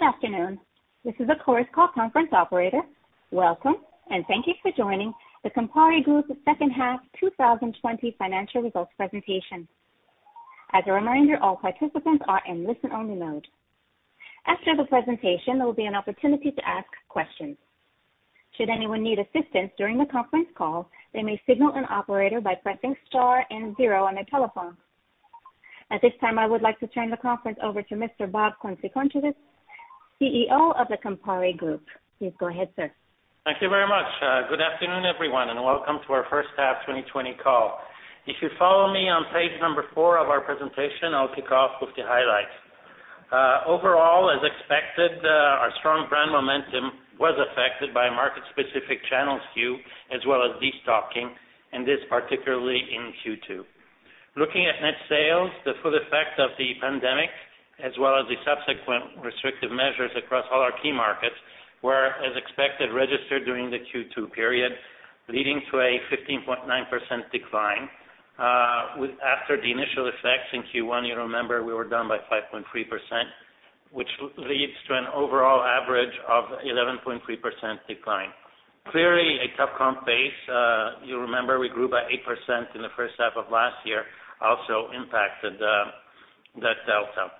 Good afternoon. This is the Chorus Call conference operator. Welcome, thank you for joining the Campari Group's second half 2020 financial results presentation. As a reminder, all participants are in listen-only mode. After the presentation, there will be an opportunity to ask questions. Should anyone need assistance during the conference call, they may signal an operator by pressing star and zero on their telephone. At this time, I would like to turn the conference over to Mr. Bob Kunze-Concewitz, CEO of the Campari Group. Please go ahead, sir. Thank you very much. Good afternoon, everyone, and welcome to our first half 2020 call. If you follow me on page number four of our presentation, I'll kick off with the highlights. Overall, as expected, our strong brand momentum was affected by market-specific channel skew as well as destocking, and this particularly in Q2. Looking at net sales, the full effect of the pandemic, as well as the subsequent restrictive measures across all our key markets were, as expected, registered during the Q2 period, leading to a 15.9% decline. After the initial effects in Q1, you remember we were down by 5.3%, which leads to an overall average of 11.3% decline. Clearly, a tough comp base. You remember we grew by 8% in the first half of last year, also impacted that delta.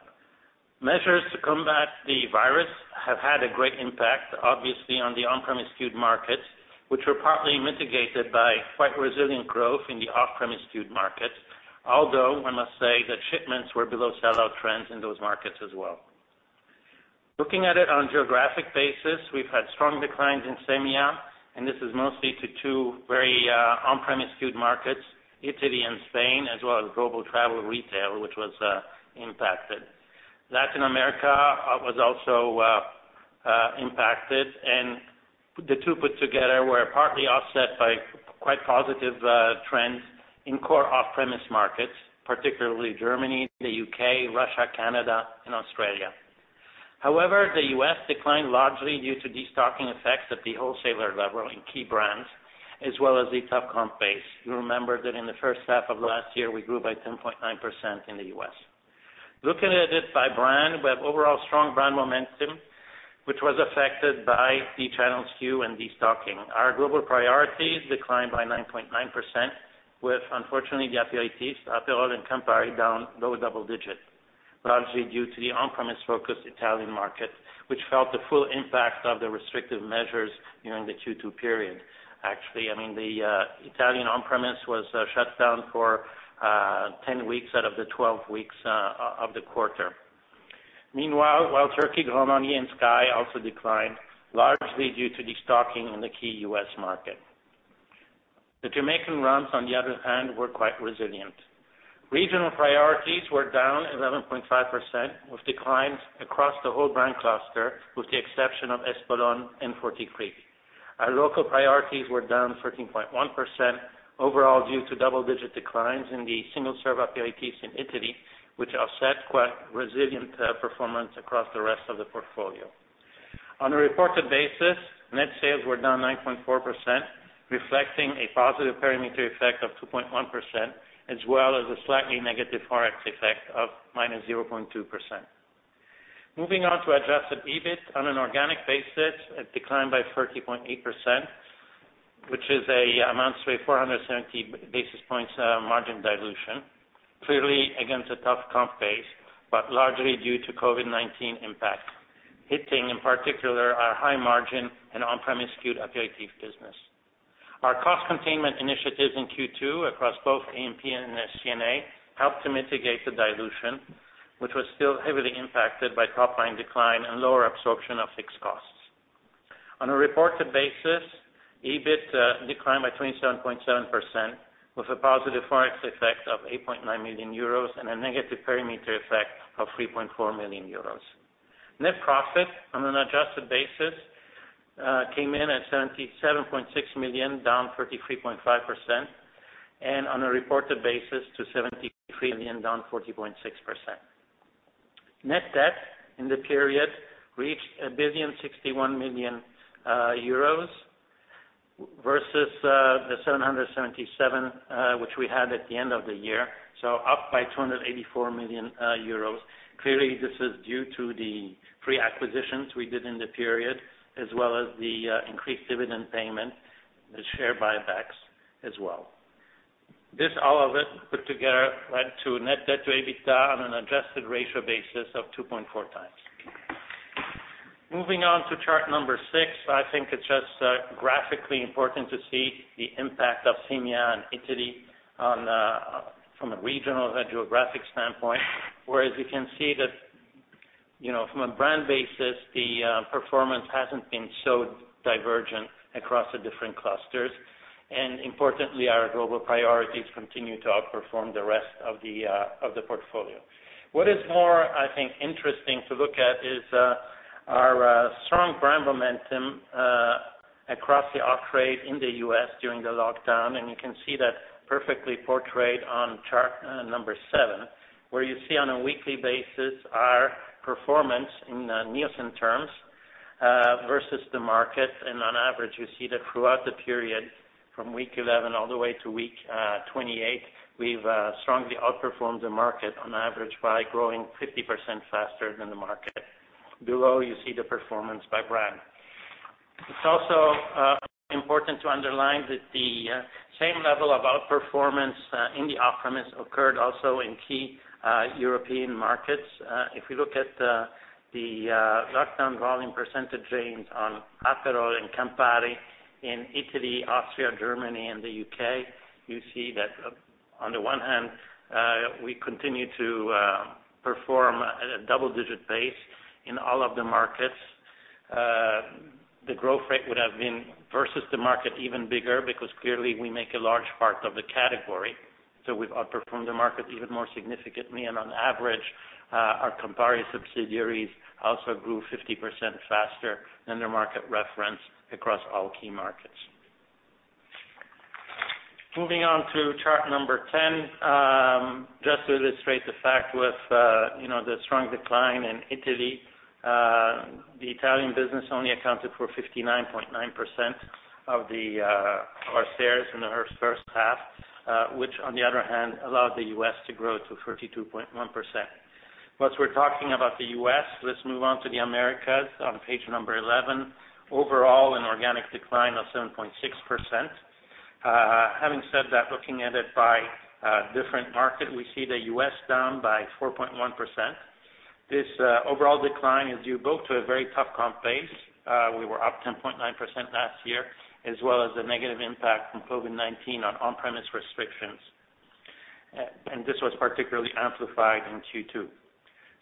Measures to combat the virus have had a great impact, obviously, on the on-premise skewed markets, which were partly mitigated by quite resilient growth in the off-premise skewed markets. I must say that shipments were below sellout trends in those markets as well. Looking at it on a geographic basis, we've had strong declines in SEMEA, this is mostly to two very on-premise skewed markets, Italy and Spain, as well as global travel retail, which was impacted. Latin America was also impacted, the two put together were partly offset by quite positive trends in core off-premise markets, particularly Germany, the U.K., Russia, Canada, and Australia. The U.S. declined largely due to destocking effects at the wholesaler level in key brands, as well as the tough comp base. You remember that in the first half of last year, we grew by 10.9% in the U.S. Looking at it by brand, we have overall strong brand momentum, which was affected by the channel skewed and destocking. Our global priorities declined by 9.9%, with unfortunately the Aperitifs, Aperol and Campari down low double digit, largely due to the on-premise focused Italian market, which felt the full impact of the restrictive measures during the Q2 period. Actually, the Italian on-premise was shut down for 10 weeks out of the 12 weeks of the quarter. Meanwhile, Wild Turkey, Grand Marnier, and SKYY also declined, largely due to destocking in the key U.S. market. The Jamaican rums, on the other hand, were quite resilient. Regional priorities were down 11.5%, with declines across the whole brand cluster, with the exception of Espolòn and Forty Creek. Our local priorities were down 13.1%, overall due to double-digit declines in the single-serve Aperitifs in Italy, which offset quite resilient performance across the rest of the portfolio. On a reported basis, net sales were down 9.4%, reflecting a positive perimeter effect of 2.1%, as well as a slightly negative Forex effect of -0.2%. Moving on to adjusted EBIT on an organic basis, it declined by 30.8%, which amounts to a 470 basis points margin dilution. Clearly, against a tough comp base, but largely due to COVID-19 impact, hitting in particular our high margin and on-premise skewed Aperitif business. Our cost containment initiatives in Q2 across both A&P and SG&A helped to mitigate the dilution, which was still heavily impacted by top-line decline and lower absorption of fixed costs. On a reported basis, EBIT declined by 27.7%, with a positive Forex effect of 8.9 million euros and a negative perimeter effect of 3.4 million euros. Net profit on an adjusted basis came in at 77.6 million, down 33.5%, and on a reported basis to 73 million, down 40.6%. Net debt in the period reached 1,061 million euros versus 777 million, which we had at the end of the year, up by 284 million euros. Clearly, this is due to the pre-acquisitions we did in the period, as well as the increased dividend payment, the share buybacks as well. This, all of it put together, led to a net debt to EBITDA on an adjusted ratio basis of 2.4x. Moving on to chart number six, I think it's just graphically important to see the impact of SEMEA and Italy from a regional geographic standpoint, whereas you can see that from a brand basis, the performance hasn't been so divergent across the different clusters. Importantly, our global priorities continue to outperform the rest of the portfolio. What is more, I think, interesting to look at is our strong brand momentum across the off-trade in the U.S. during the lockdown, and you can see that perfectly portrayed on chart number seven, where you see on a weekly basis our performance in Nielsen terms versus the market. On average, you see that throughout the period from week 11 all the way to week 28, we've strongly outperformed the market on average by growing 50% faster than the market. Below, you see the performance by brand. It's also important to underline that the same level of outperformance in the off-premise occurred also in key European markets. If we look at the lockdown volume percentage gains on Aperol and Campari in Italy, Austria, Germany, and the U.K., you see that on the one hand, we continue to perform at a double-digit pace in all of the markets. The growth rate would've been versus the market even bigger, because clearly we make a large part of the category. We've outperformed the market even more significantly, and on average, our Campari subsidiaries also grew 50% faster than their market reference across all key markets. Moving on to chart 10. Just to illustrate the fact with the strong decline in Italy, the Italian business only accounted for 59.9% of our sales in the first half, which on the other hand allowed the U.S. to grow to 32.1%. Once we're talking about the U.S., let's move on to the Americas on page number 11. Overall, an organic decline of 7.6%. Having said that, looking at it by different market, we see the U.S. down by 4.1%. This overall decline is due both to a very tough comp base, we were up 10.9% last year, as well as the negative impact from COVID-19 on on-premise restrictions. This was particularly amplified in Q2.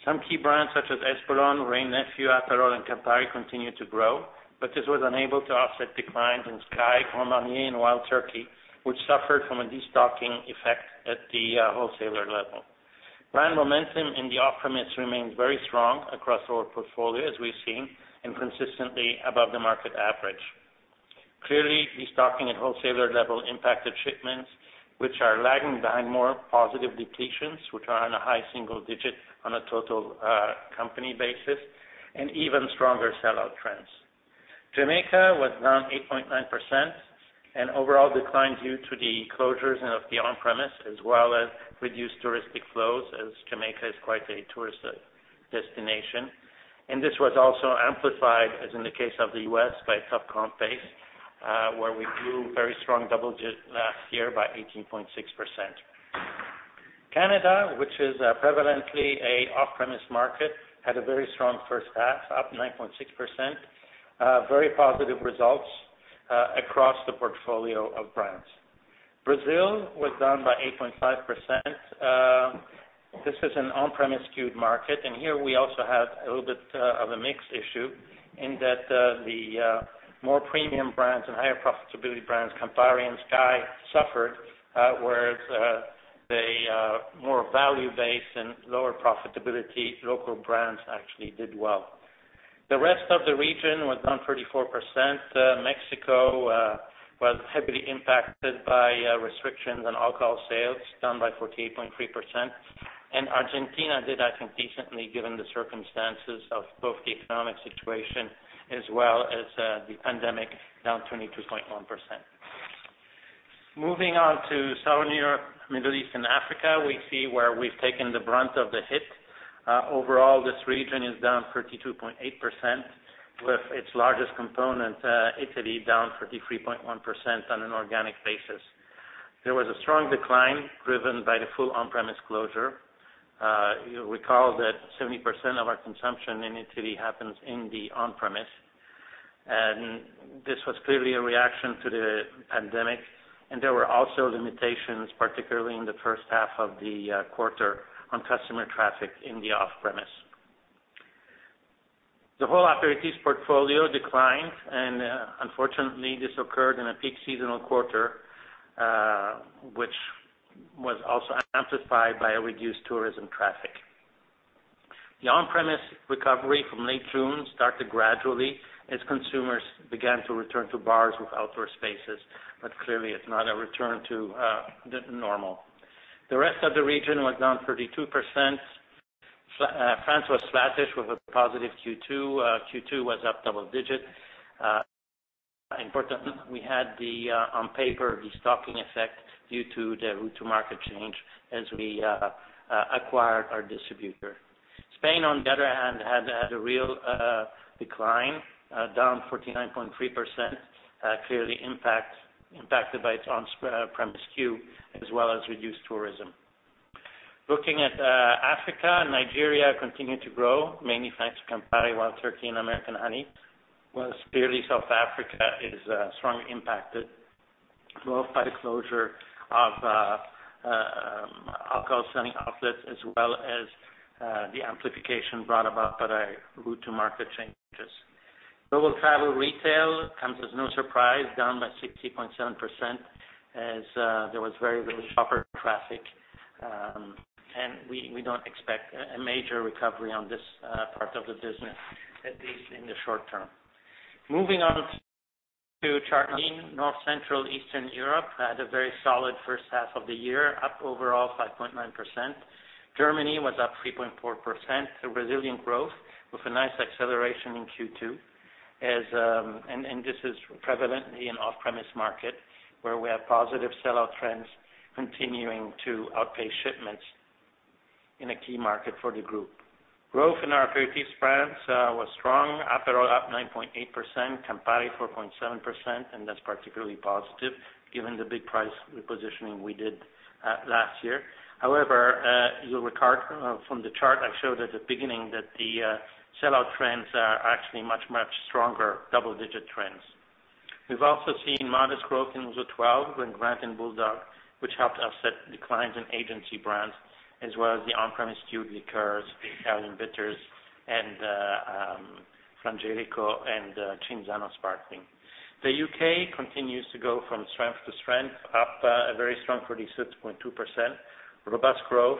Some key brands such as Espolòn, Wray & Nephew, Aperol, and Campari continued to grow, but this was unable to offset declines in SKYY, Grand Marnier, and Wild Turkey, which suffered from a de-stocking effect at the wholesaler level. Brand momentum in the off-premise remains very strong across our portfolio, as we've seen, and consistently above the market average. Clearly, de-stocking at wholesaler level impacted shipments, which are lagging behind more positive depletions, which are in a high single digit on a total company basis, and even stronger sell-out trends. Jamaica was down 8.9%, an overall decline due to the closures of the on-premise as well as reduced touristic flows, as Jamaica is quite a tourist destination. This was also amplified, as in the case of the U.S., by tough comp base, where we grew very strong double digit last year by 18.6%. Canada, which is prevalently a off-premise market, had a very strong first half, up 9.6%. Very positive results across the portfolio of brands. Brazil was down by 8.5%. This is an on-premise skewed market, and here we also had a little bit of a mix issue in that the more premium brands and higher profitability brands, Campari and SKYY, suffered. Whereas the more value-based and lower profitability local brands actually did well. The rest of the region was down 34%. Mexico was heavily impacted by restrictions on alcohol sales, down by 48.3%. Argentina did, I think, decently, given the circumstances of both the economic situation as well as the pandemic, down 22.1%. Moving on to Southern Europe, Middle East and Africa, we see where we've taken the brunt of the hit. Overall, this region is down 32.8%, with its largest component, Italy, down 33.1% on an organic basis. There was a strong decline driven by the full on-premise closure. You'll recall that 70% of our consumption in Italy happens in the on-premise. This was clearly a reaction to the pandemic. There were also limitations, particularly in the first half of the quarter, on customer traffic in the off-premise. The whole Aperitifs portfolio declined, unfortunately, this occurred in a peak seasonal quarter, which was also amplified by a reduced tourism traffic. The on-premise recovery from late June started gradually as consumers began to return to bars with outdoor spaces. Clearly it's not a return to normal. The rest of the region was down 32%. France was flattish with a positive Q2. Q2 was up double-digit. Importantly, we had the, on paper, de-stocking effect due to the route to market change as we acquired our distributor. Spain, on the other hand, had a real decline, down 49.3%, clearly impacted by its on-premise issues as well as reduced tourism. Looking at Africa, Nigeria continued to grow, mainly thanks to Campari, Wild Turkey, and American Honey. Clearly South Africa is strongly impacted, both by the closure of alcohol-selling outlets as well as the amplification brought about by route to market changes. Global Travel Retail, comes as no surprise, down by 60.7% as there was very little shopper traffic. We don't expect a major recovery on this part of the business, at least in the short term. Moving on to chart North Central Eastern Europe had a very solid first half of the year, up overall 5.9%. Germany was up 3.4%, a resilient growth with a nice acceleration in Q2. This is prevalently an off-premise market where we have positive sell-out trends continuing to outpace shipments in a key market for the group. Growth in our aperitifs France was strong. Aperol up 9.8%, Campari 4.7%, and that's particularly positive given the big price repositioning we did last year. However, you'll recall from the chart I showed at the beginning that the sell-out trends are actually much, much stronger, double-digit trends. We've also seen modest growth in Liqueurs with Grant and BULLDOG, which helped offset declines in agency brands, as well as the on-premise St-Germain liqueurs, Italian Bitters, and Frangelico and Cinzano sparkling. The U.K. continues to go from strength to strength, up a very strong 36.2%. Robust growth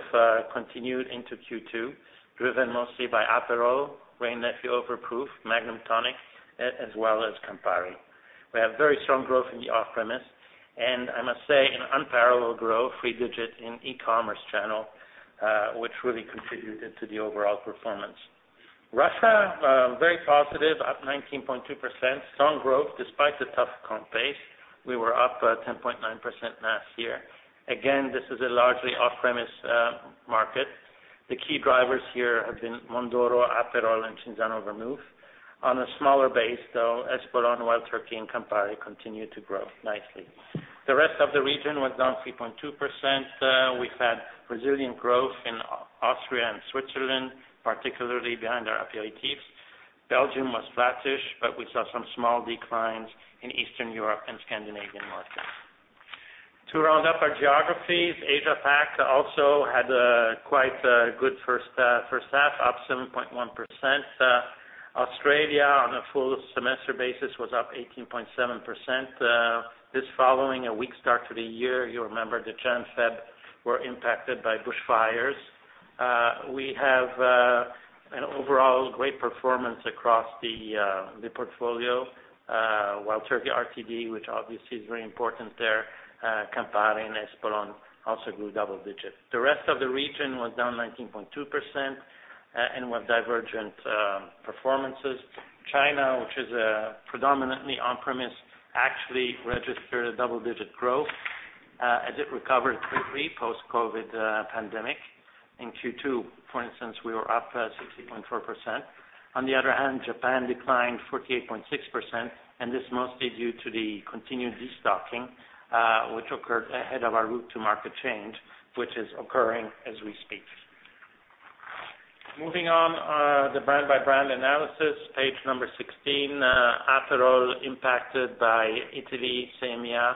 continued into Q2, driven mostly by Aperol, Wray & Nephew Overproof, Magnum Tonic, as well as Campari. We have very strong growth in the off-premise, and I must say an unparalleled growth, three-digit in e-commerce channel, which really contributed to the overall performance. Russia, very positive, up 19.2%. Strong growth despite the tough comp base. We were up 10.9% last year. Again, this is a largely off-premise market. The key drivers here have been Mondoro, Aperol, and Cinzano Vermouth. On a smaller base, though, Espolòn, Wild Turkey, and Campari continued to grow nicely. The rest of the region was down 3.2%. We've had resilient growth in Austria and Switzerland, particularly behind our Aperitifs. Belgium was flattish, but we saw some small declines in Eastern Europe and Scandinavian markets. To round up our geographies, Asia Pac also had a quite good first half, up 7.1%. Australia, on a full semester basis, was up 18.7%. This following a weak start to the year. You remember the January, February were impacted by bushfires. We have an overall great performance across the portfolio. Wild Turkey RTD, which obviously is very important there, Campari, and Espolòn also grew double digits. The rest of the region was down 19.2%, and with divergent performances. China, which is a predominantly on-premise, actually registered a double-digit growth as it recovered quickly post-COVID-19 pandemic. In Q2, for instance, we were up 60.4%. Japan declined 48.6%, and this mostly due to the continued de-stocking, which occurred ahead of our route to market change, which is occurring as we speak. Moving on, the brand by brand analysis, page number 16. Aperol impacted by Italy, SEMEA,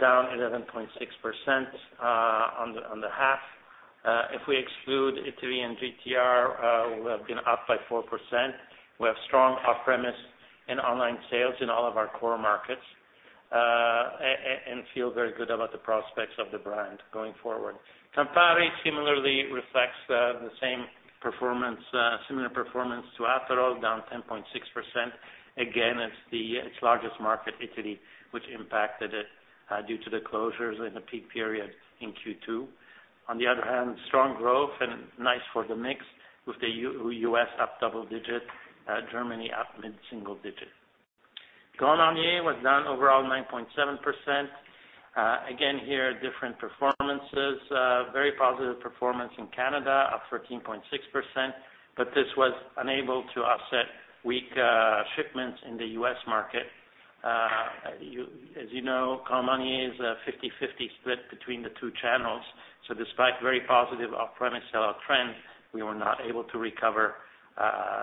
down 11.6% on the half. If we exclude Italy and GTR, we would have been up by 4%. We have strong off-premise and online sales in all of our core markets, and feel very good about the prospects of the brand going forward. Campari similarly reflects the same performance, similar performance to Aperol, down 10.6%. Again, it's the largest market, Italy, which impacted it due to the closures in the peak period in Q2. Strong growth and nice for the mix with the U.S. up double digit, Germany up mid-single digit. Grand Marnier was down overall 9.7%. Again here, different performances, very positive performance in Canada, up 13.6%. This was unable to offset weak shipments in the U.S. market. As you know, Grand Marnier is a 50/50 split between the two channels. Despite very positive off-premise sellout trends, we were not able to recover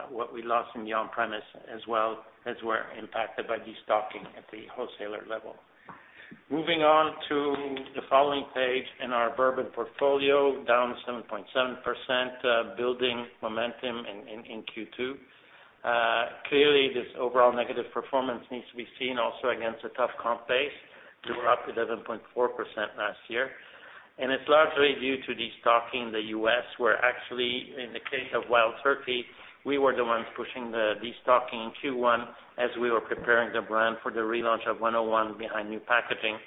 what we lost in the on-premise, as well as were impacted by de-stocking at the wholesaler level. Moving on to the following page in our Bourbon portfolio, down 7.7%, building momentum in Q2. Clearly, this overall negative performance needs to be seen also against a tough comp base. We were up 11.4% last year. It's largely due to de-stocking the U.S., where actually in the case of Wild Turkey, we were the ones pushing the de-stocking in Q1 as we were preparing the brand for the relaunch of 101 behind new packaging,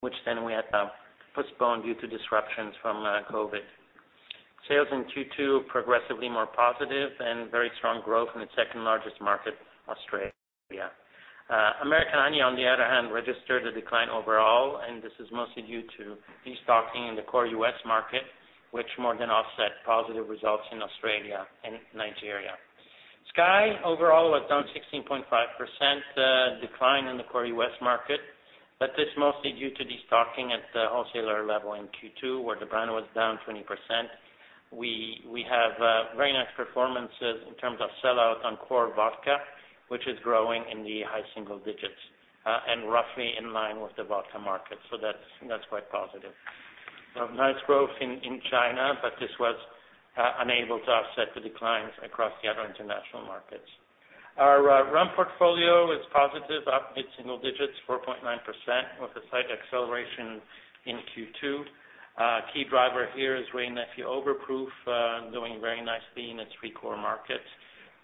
which then we had to postpone due to disruptions from COVID-19. Sales in Q2 progressively more positive and very strong growth in the second largest market, Australia. American Honey, on the other hand, registered a decline overall, and this is mostly due to de-stocking in the core U.S. market, which more than offset positive results in Australia and Nigeria. SKYY overall was down 16.5%, decline in the core U.S. market, but this mostly due to de-stocking at the wholesaler level in Q2, where the brand was down 20%. We have very nice performances in terms of sell-out on core vodka, which is growing in the high single digits, roughly in line with the vodka market. That's quite positive. We have nice growth in China, this was unable to offset the declines across the other international markets. Our Rum portfolio is positive, up mid-single digits, 4.9%, with a slight acceleration in Q2. A key driver here is Wray & Nephew Overproof doing very nicely in its three core markets.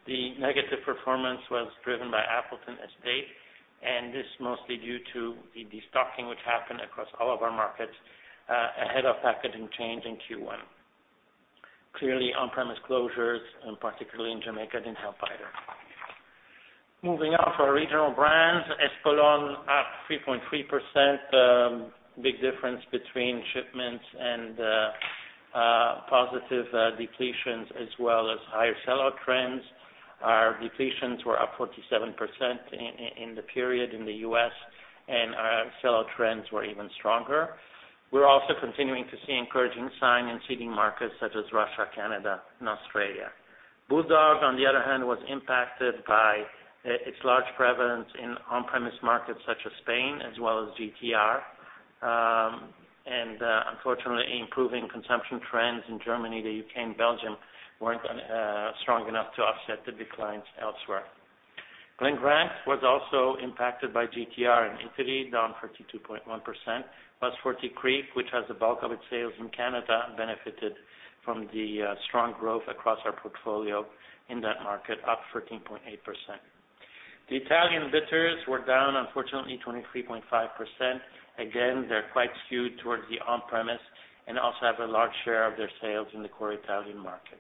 The negative performance was driven by Appleton Estate, and this is mostly due to the de-stocking which happened across all of our markets ahead of packaging change in Q1. Clearly, on-premise closures, and particularly in Jamaica, didn't help either. Moving on for regional brands, Espolòn up 3.3%. Big difference between shipments and positive depletions, as well as higher sell-out trends. Our depletions were up 47% in the period in the U.S., and our sell-out trends were even stronger. We're also continuing to see encouraging signs in seeding markets such as Russia, Canada, and Australia. BULLDOG, on the other hand, was impacted by its large prevalence in on-premise markets such as Spain as well as GTR. Unfortunately, improving consumption trends in Germany, the U.K., and Belgium weren't strong enough to offset the declines elsewhere. Glen Grant was also impacted by GTR and Italy, down 32.1%+, Forty Creek, which has the bulk of its sales in Canada, benefited from the strong growth across our portfolio in that market, up 13.8%. The Italian bitters were down unfortunately 23.5%. Again, they're quite skewed towards the on-premise and also have a large share of their sales in the core Italian market.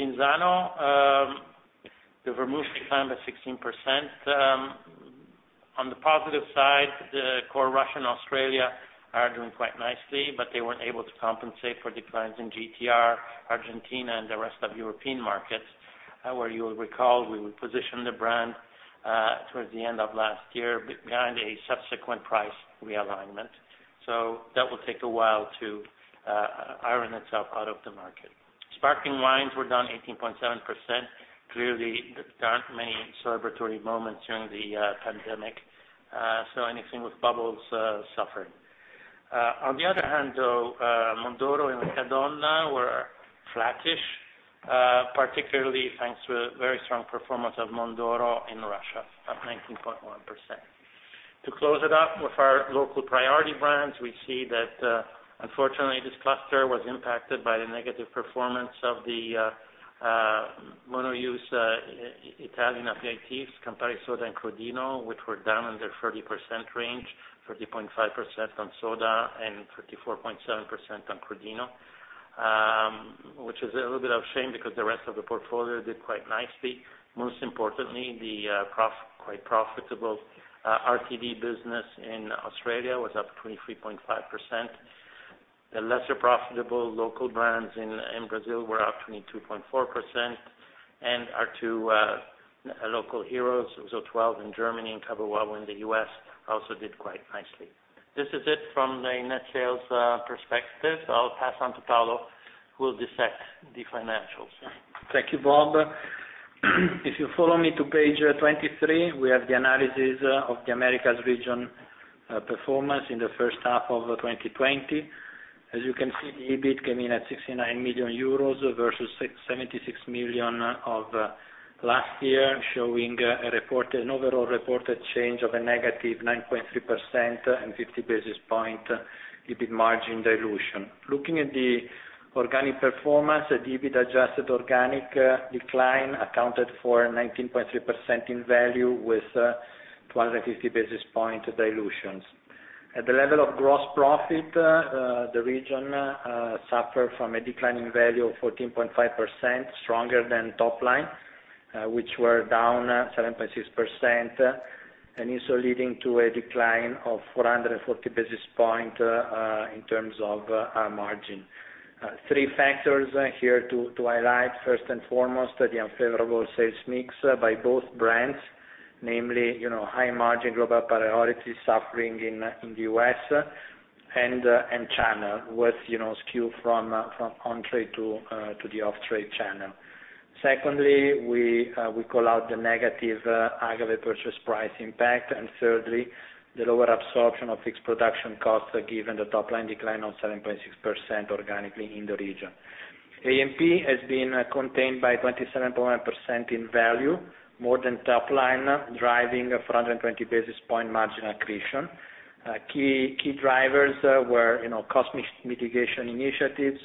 Cinzano, the volume down by 16%. On the positive side, the core Russia and Australia are doing quite nicely, but they weren't able to compensate for declines in GTR, Argentina, and the rest of European markets, where you will recall we repositioned the brand towards the end of last year behind a subsequent price realignment. That will take a while to iron itself out of the market. Sparkling wines were down 18.7%. Clearly, there aren't many celebratory moments during the pandemic, so anything with bubbles suffered. On the other hand, though, Mondoro and Riccadonna were flattish, particularly thanks to a very strong performance of Mondoro in Russia, up 19.1%. To close it up with our local priority brands, we see that, unfortunately, this cluster was impacted by the negative performance of the mono-use Italian aperitifs, Campari Soda, and Crodino, which were down in the 30% range, 30.5% on soda and 34.7% on Crodino, which is a little bit of a shame because the rest of the portfolio did quite nicely. Most importantly, the quite profitable RTD business in Australia was up 23.5%. The lesser profitable local brands in Brazil were up 22.4%, and our two local heroes, Ouzo 12 in Germany and Cabo Wabo in the U.S., also did quite nicely. This is it from the net sales perspective. I'll pass on to Paolo, who will dissect the financials. Thank you, Bob. If you follow me to page 23, we have the analysis of the Americas region performance in the first half of 2020. As you can see, the EBIT came in at 69 million euros versus 76 million of last year, showing an overall reported change of a negative 9.3% and 50 basis point EBIT margin dilution. Looking at the organic performance, the EBIT adjusted organic decline accounted for 19.3% in value with 250 basis point dilutions. At the level of gross profit, the region suffered from a decline in value of 14.5%, stronger than top-line, which were down 7.6%, also leading to a decline of 440 basis point in terms of our margin. Three factors here to highlight. First and foremost, the unfavorable sales mix by both brands, namely high margin global priority suffering in the US and channel, was skewed from on-trade to the off-trade channel. Secondly, we call out the negative aggregate purchase price impact. Thirdly, the lower absorption of fixed production cost given the top-line decline of 7.6% organically in the region. A&P has been contained by 27.1% in value, more than top-line, driving a 420 basis point margin accretion. Key drivers were cost mitigation initiatives,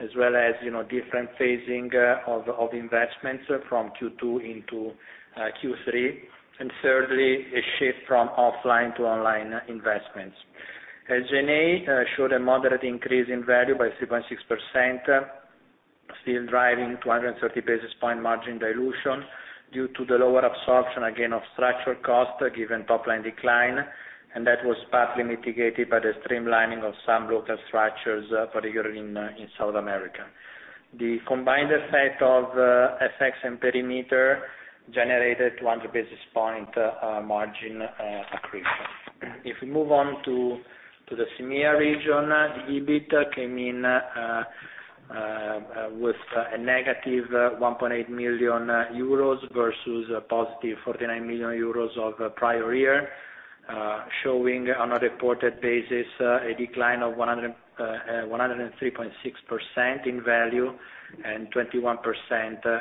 as well as different phasing of investments from Q2 into Q3. Thirdly, a shift from offline to online investments. G&A showed a moderate increase in value by 3.6%, still driving 230 basis point margin dilution due to the lower absorption, again, of structural cost given top-line decline. That was partly mitigated by the streamlining of some local structures, particularly in South America. The combined effect of FX and perimeter generated 100 basis point margin accretion. We move on to the EMEA region, the EBIT came in with a negative 1.8 million euros versus a positive 49 million euros of prior year, showing on a reported basis a decline of 103.6% in value and 21%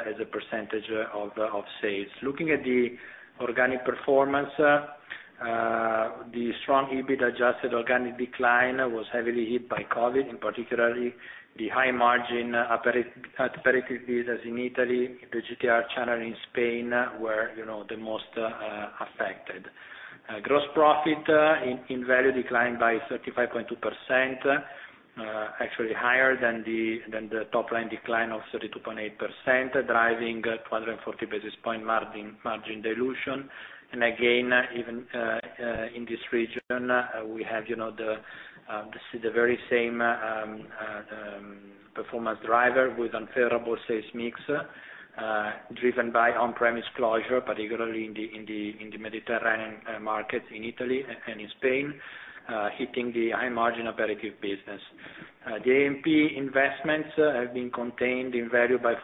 as a percentage of sales. Looking at the organic performance. The strong EBIT adjusted organic decline was heavily hit by COVID, particularly the high margin aperitif business in Italy, the GTR channel in Spain were the most affected. Gross profit in value declined by 35.2%, actually higher than the top line decline of 32.8%, driving 240 basis point margin dilution. Again, even in this region, we have the very same performance driver with unfavorable sales mix driven by on-premise closure, particularly in the Mediterranean markets, in Italy and in Spain, hitting the high margin aperitif business. The A&P investments have been contained in value by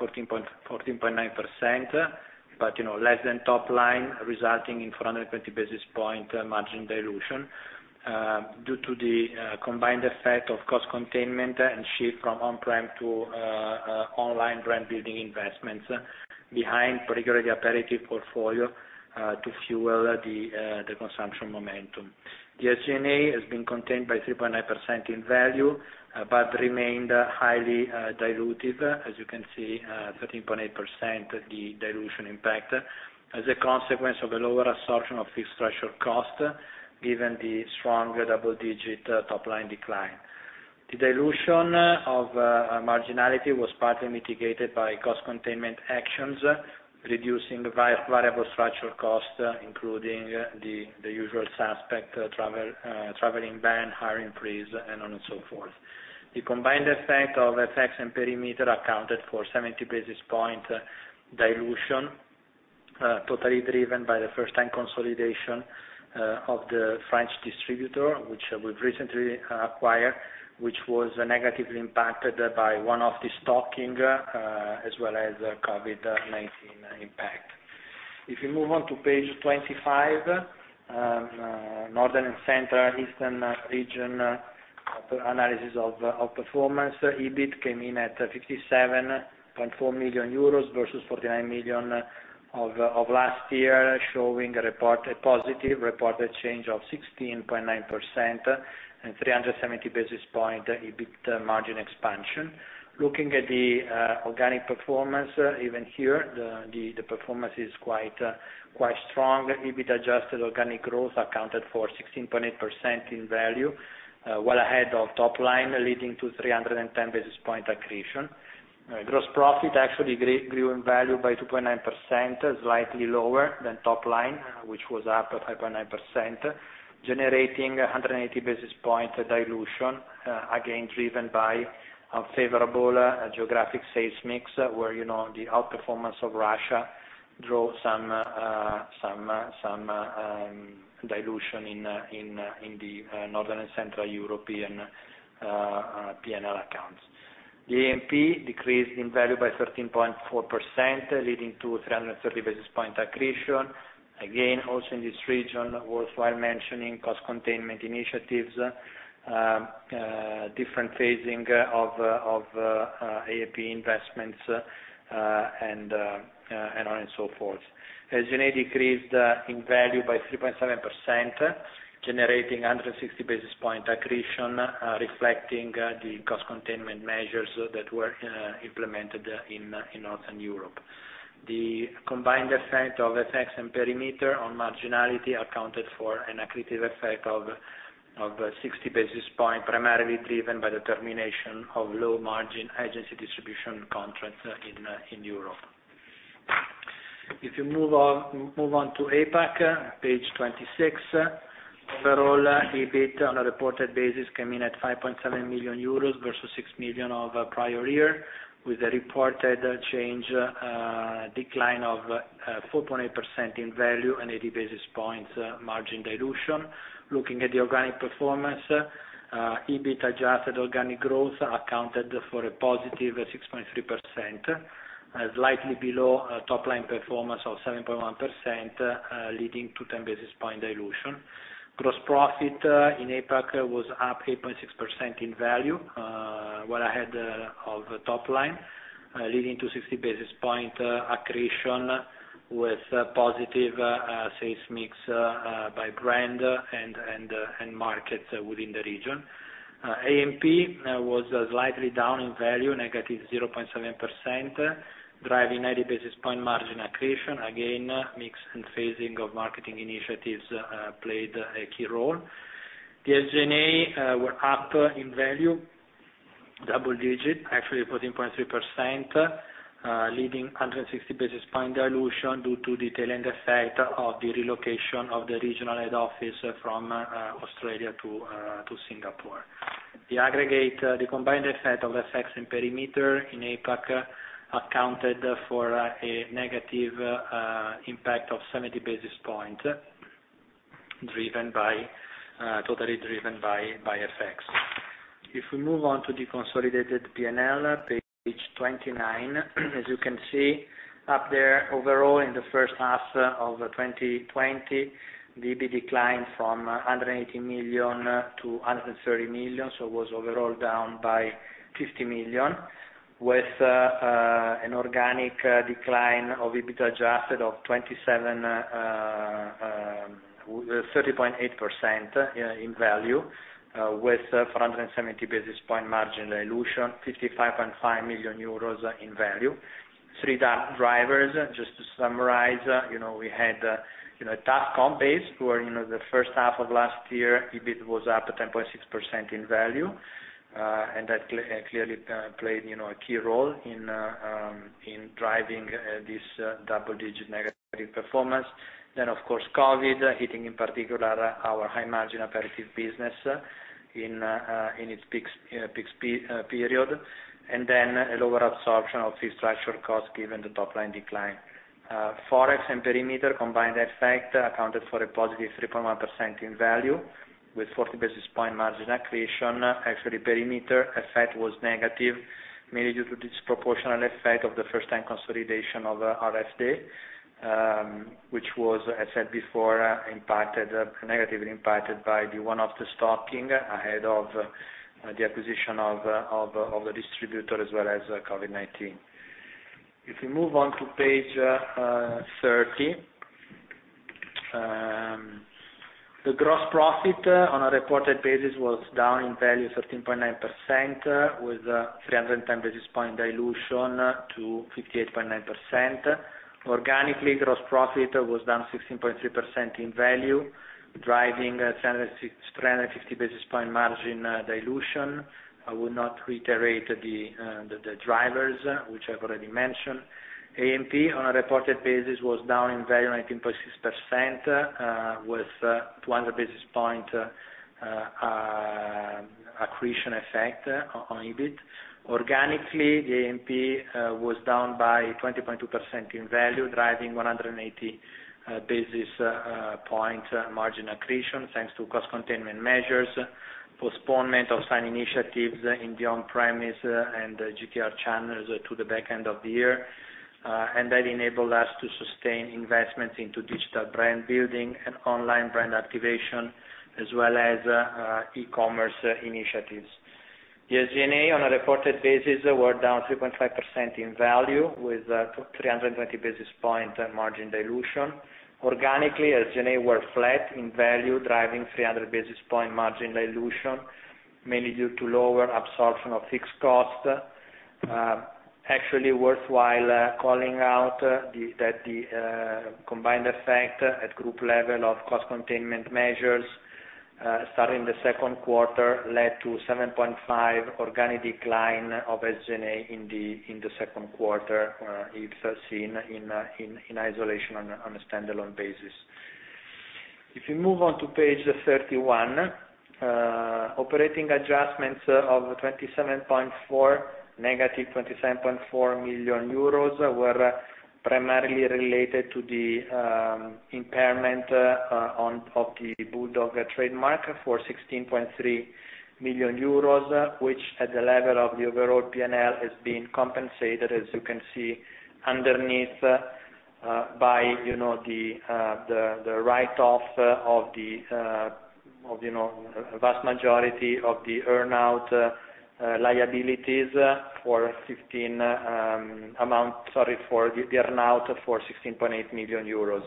14.9%, but less than top line, resulting in 420 basis point margin dilution due to the combined effect of cost containment and shift from on-prem to online brand building investments behind particularly the aperitif portfolio to fuel the consumption momentum. The SG&A has been contained by 3.9% in value, but remained highly diluted. As you can see, 13.8% the dilution impact as a consequence of a lower absorption of fixed structural cost, given the strong double-digit top line decline. The dilution of marginality was partly mitigated by cost containment actions, reducing variable structural costs, including the usual suspect, traveling ban, hiring freeze, and so forth. The combined effect of FX and perimeter accounted for 70 basis point dilution, totally driven by the first time consolidation of the French distributor, which we've recently acquired, which was negatively impacted by one-off destocking, as well as COVID-19 impact. If you move on to page 25, Northern and Eastern region analysis of performance. EBIT came in at 57.4 million euros versus 49 million of last year, showing a positive reported change of 16.9% and 370 basis point EBIT margin expansion. Looking at the organic performance, even here, the performance is quite strong. EBIT adjusted organic growth accounted for 16.8% in value, well ahead of top line, leading to 310 basis point accretion. Gross profit actually grew in value by 2.9%, slightly lower than top line, which was up 5.9%, generating 180 basis point dilution, again, driven by unfavorable geographic sales mix, where the outperformance of Russia drove some dilution in the Northern and Central European P&L accounts. The A&P decreased in value by 13.4%, leading to 330 basis point accretion. Again, also in this region, worthwhile mentioning cost containment initiatives, different phasing of A&P investments, and so forth. SG&A decreased in value by 3.7%, generating 160 basis point accretion, reflecting the cost containment measures that were implemented in Northern Europe. The combined effect of FX and perimeter on marginality accounted for an accretive effect of 60 basis point, primarily driven by the termination of low margin agency distribution contracts in Europe. If you move on to APAC, page 26. Overall, EBIT on a reported basis came in at 5.7 million euros versus 6 million of prior year, with a reported change decline of 4.8% in value and 80 basis points margin dilution. Looking at the organic performance, EBIT adjusted organic growth accounted for a positive 6.3%, slightly below top line performance of 7.1%, leading to 10 basis point dilution. Gross profit in APAC was up 8.6% in value, well ahead of top line, leading to 60 basis point accretion with positive sales mix by brand and markets within the region. A&P was slightly down in value, negative 0.7%, driving 80 basis point margin accretion. Again, mix and phasing of marketing initiatives played a key role. The SG&A were up in value, double digit, actually 14.3%, leading 160 basis point dilution due to the tailwind effect of the relocation of the regional head office from Australia to Singapore. The combined effect of FX and perimeter in APAC accounted for a negative impact of 70 basis points, totally driven by FX. Moving on to the consolidated P&L, page 29. As you can see up there, overall in the first half of 2020, the EBITDA declined from 180 million to 130 million, it was overall down by 50 million, with an organic decline of EBIT adjusted of 30.8% in value, with 470 basis point margin dilution, 55.5 million euros in value. Three top drivers, just to summarize. We had a tough comp base where the first half of last year, EBIT was up 10.6% in value, that clearly played a key role in driving this double-digit negative performance. Of course, COVID-19, hitting in particular our high margin aperitif business in its peak period, and a lower absorption of fixed structural costs given the top line decline. Forex and perimeter combined effect accounted for a positive 3.1% in value with 40 basis point margin accretion. Actually, perimeter effect was negative, mainly due to disproportional effect of the first-time consolidation of RFD, which was, as said before, negatively impacted by the one-off de-stocking ahead of the acquisition of the distributor as well as COVID-19. If we move on to page 30. The gross profit on a reported basis was down in value 13.9% with 310 basis point dilution to 58.9%. Organically, gross profit was down 16.3% in value, driving 350 basis point margin dilution. I will not reiterate the drivers which I've already mentioned. A&P on a reported basis was down in value 19.6% with 200 basis point accretion effect on EBIT. Organically, the A&P was down by 20.2% in value, driving 180 basis point margin accretion, thanks to cost containment measures, postponement of certain initiatives in the on-premise and GTR channels to the back end of the year. That enabled us to sustain investments into digital brand building and online brand activation, as well as e-commerce initiatives. The SG&A on a reported basis were down 3.5% in value, with 320 basis point margin dilution. Organically, SG&A were flat in value, driving 300 basis point margin dilution, mainly due to lower absorption of fixed cost. Actually worthwhile calling out that the combined effect at group level of cost containment measures, starting the second quarter, led to 7.5% organic decline of SG&A in the second quarter. It's seen in isolation on a standalone basis. If you move on to page 31. Operating adjustments of negative 27.4 million euros were primarily related to the impairment of the BULLDOG trademark for 16.3 million euros, which at the level of the overall P&L has been compensated, as you can see underneath, by the write-off of the vast majority of the earn-out liabilities for the earn-out for 16.8 million euros.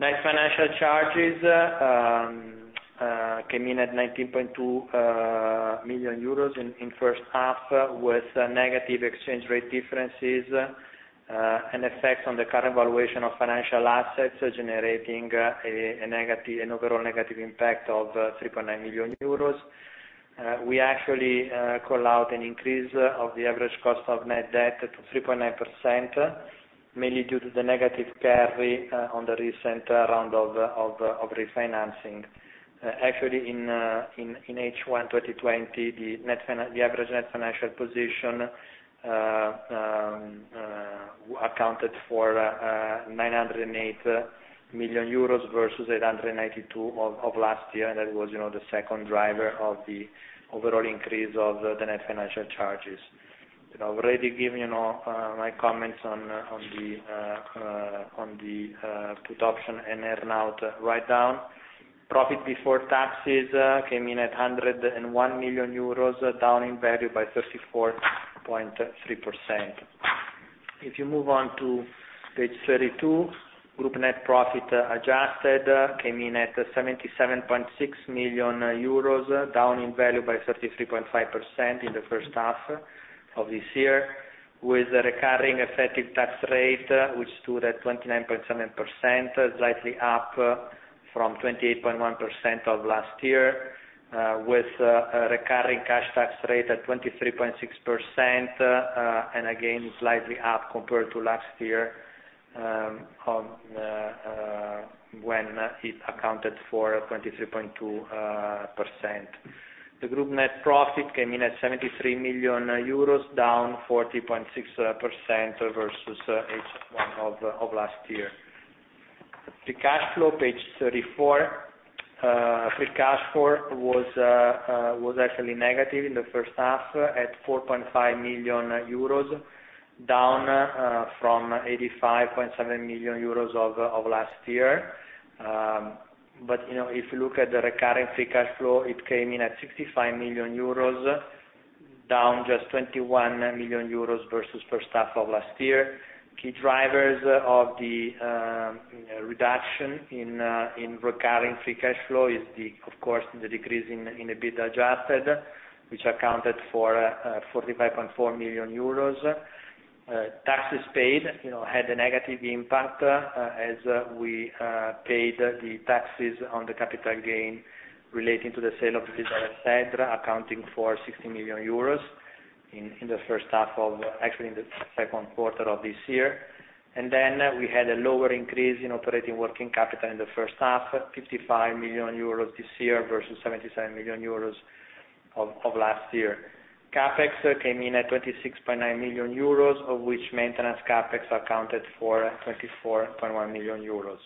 Net financial charges came in at 19.2 million euros in first half, with negative exchange rate differences, an effect on the current valuation of financial assets, generating an overall negative impact of 3.9 million euros. We actually call out an increase of the average cost of net debt to 3.9%, mainly due to the negative carry on the recent round of refinancing. Actually, in H1 2020, the average net financial position accounted for 908 million euros versus 892 million of last year. That was the second driver of the overall increase of the net financial charges. I've already given my comments on the put option and earn-out write-down. Profit before taxes came in at 101 million euros, down in value by 34.3%. If you move on to page 32, group net profit adjusted came in at 77.6 million euros, down in value by 33.5% in the first half of this year, with a recurring effective tax rate, which stood at 29.7%, slightly up from 28.1% of last year, with a recurring cash tax rate at 23.6%, and again, slightly up compared to last year, when it accounted for 23.2%. The group net profit came in at 73 million euros, down 40.6% versus H1 of last year. The cash flow, page 34. Free cash flow was actually negative in the first half at 4.5 million euros, down from 85.7 million euros of last year. If you look at the recurring free cash flow, it came in at 65 million euros, down just 21 million euros versus first half of last year. Key drivers of the reduction in recurring free cash flow is, of course, the decrease in EBIT adjusted, which accounted for 45.4 million euros. Taxes paid had a negative impact, as we paid the taxes on the capital gain relating to the sale of Villa Les Cèdres, accounting for 60 million euros actually in the second quarter of this year. We had a lower increase in operating working capital in the first half, 55 million euros this year versus 77 million euros of last year. CapEx came in at 26.9 million euros, of which maintenance CapEx accounted for 24.1 million euros.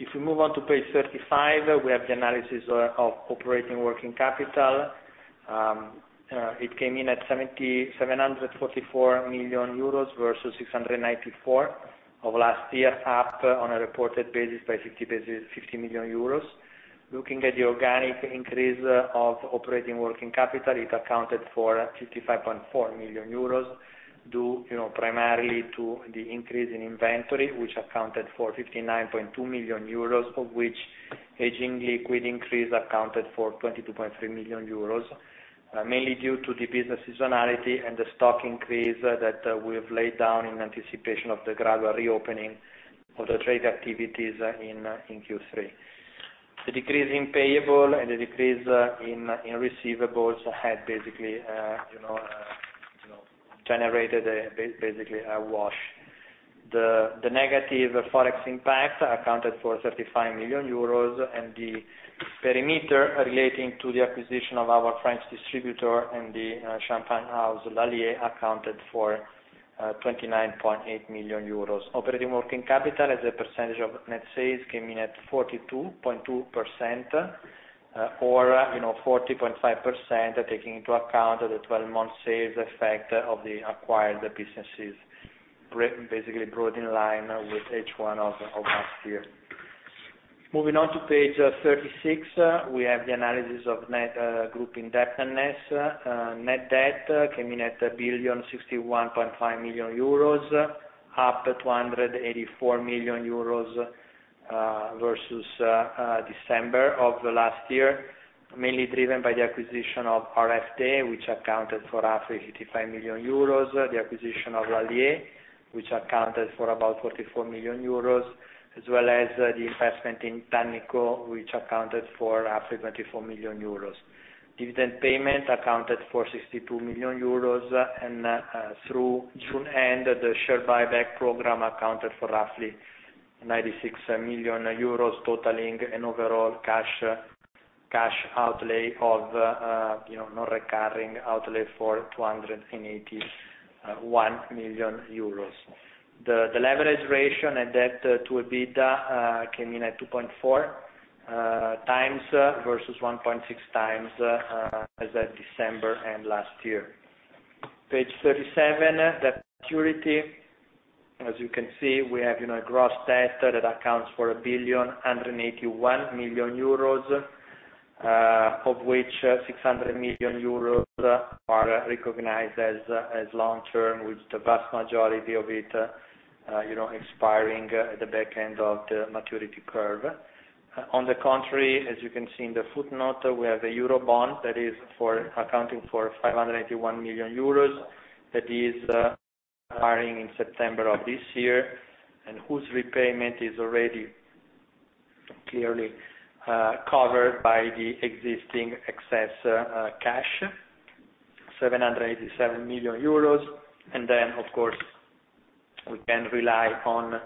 If we move on to page 35, we have the analysis of operating working capital. It came in at 744 million euros versus 694 of last year, up on a reported basis by 50 million euros. Looking at the organic increase of operating working capital, it accounted for 55.4 million euros, due primarily to the increase in inventory, which accounted for 59.2 million euros, of which aging liquid increase accounted for 22.3 million euros. Mainly due to the business seasonality and the stock increase that we have laid down in anticipation of the gradual reopening of the trade activities in Q3. The decrease in payable and the decrease in receivables had basically generated a wash. The negative Forex impact accounted for 35 million euros, the perimeter relating to the acquisition of our French distributor and the Champagne House, Lallier, accounted for 29.8 million euros. Operating working capital as a percentage of net sales came in at 42.2%, or 40.5%, taking into account the 12-month sales effect of the acquired businesses, basically broadly in line with H1 of last year. Moving on to page 36, we have the analysis of net group indebtedness. Net debt came in at 1,061.5 million euros, up to 284 million euros versus December of the last year, mainly driven by the acquisition of RFD, which accounted for roughly 55 million euros. The acquisition of Lallier, which accounted for about 44 million euros, as well as the investment in Tannico, which accounted for roughly 24 million euros. Dividend payment accounted for 62 million euros, and through June end, the share buyback program accounted for roughly 96 million euros totaling an overall cash outlay of non-recurring outlay for 281 million euros. The leverage ratio and debt to EBITDA came in at 2.4x versus 1.6x as at December end last year. Page 37, the maturity. As you can see, we have a gross debt that accounts for 1,181 million euros, of which 600 million euros are recognized as long-term, with the vast majority of it expiring at the back end of the maturity curve. On the contrary, as you can see in the footnote, we have a Eurobond that is accounting for 581 million euros that is expiring in September of this year, and whose repayment is already clearly covered by the existing excess cash, 787 million euros. Of course, we can rely on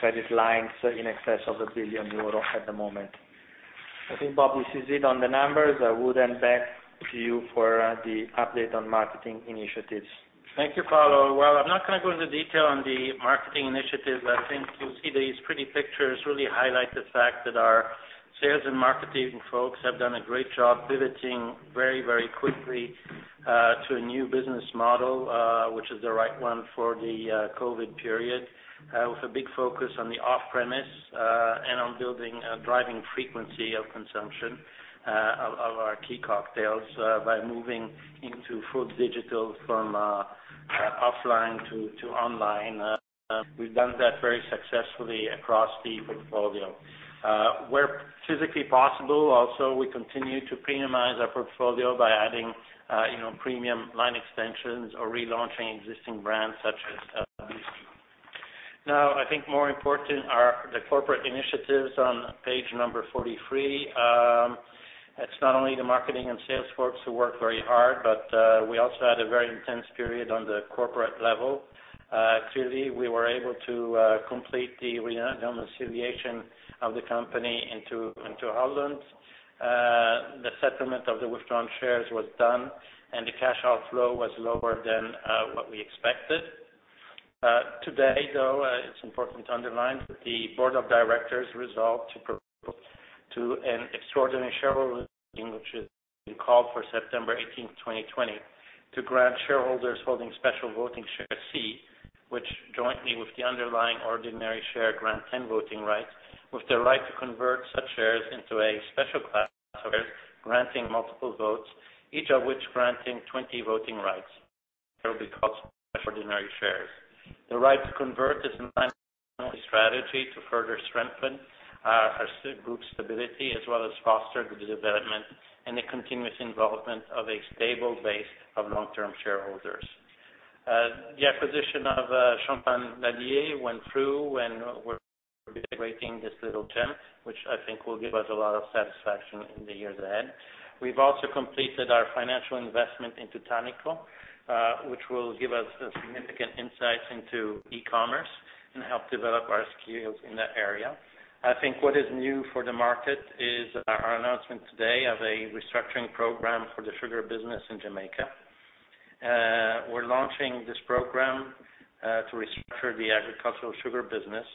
credit lines in excess of 1 billion euro at the moment. I think, Bob, this is it on the numbers. I would hand back to you for the update on marketing initiatives. Thank you, Paolo. Well, I'm not going to go into detail on the marketing initiative. I think you'll see these pretty pictures really highlight the fact that our sales and marketing folks have done a great job pivoting very quickly to a new business model, which is the right one for the COVID period, with a big focus on the off-premise, and on building a driving frequency of consumption of our key cocktails by moving into full digital from offline to online. We've done that very successfully across the portfolio. Where physically possible also, we continue to premiumize our portfolio by adding premium line extensions or relaunching existing brands such as. I think more important are the corporate initiatives on page 43. It's not only the marketing and sales folks who work very hard, but we also had a very intense period on the corporate level. Clearly, we were able to complete the re-domiciliation of the company into Holland. The settlement of the withdrawn shares was done, and the cash outflow was lower than what we expected. Today, though, it's important to underline that the board of directors resolved to propose to an extraordinary shareholders' meeting, which has been called for September 18th, 2020, to grant shareholders holding special voting share C, which jointly with the underlying ordinary share grant 10 voting rights, with the right to convert such shares into a special class of shares granting multiple votes, each of which granting 20 voting rights. They will be called extraordinary shares. The right to convert is in line strategy to further strengthen our group stability as well as foster the development and the continuous involvement of a stable base of long-term shareholders. The acquisition of Champagne Lallier went through. We're celebrating this little gem, which I think will give us a lot of satisfaction in the years ahead. We've also completed our financial investment into Tannico, which will give us significant insights into e-commerce and help develop our skills in that area. I think what is new for the market is our announcement today of a restructuring program for the sugar business in Jamaica. We're launching this program to restructure the agricultural sugar business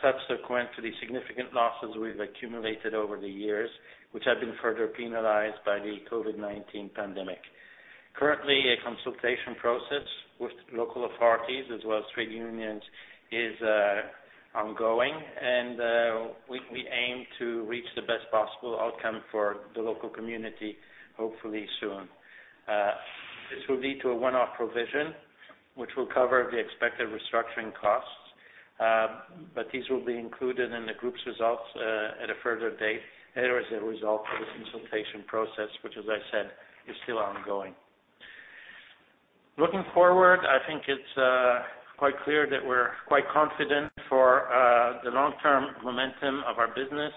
subsequent to the significant losses we've accumulated over the years, which have been further penalized by the COVID-19 pandemic. Currently, a consultation process with local authorities as well as trade unions is ongoing. We aim to reach the best possible outcome for the local community hopefully soon. This will lead to a one-off provision, which will cover the expected restructuring costs. These will be included in the group's results at a further date as a result of this consultation process, which as I said, is still ongoing. Looking forward, I think it's quite clear that we're quite confident for the long-term momentum of our business.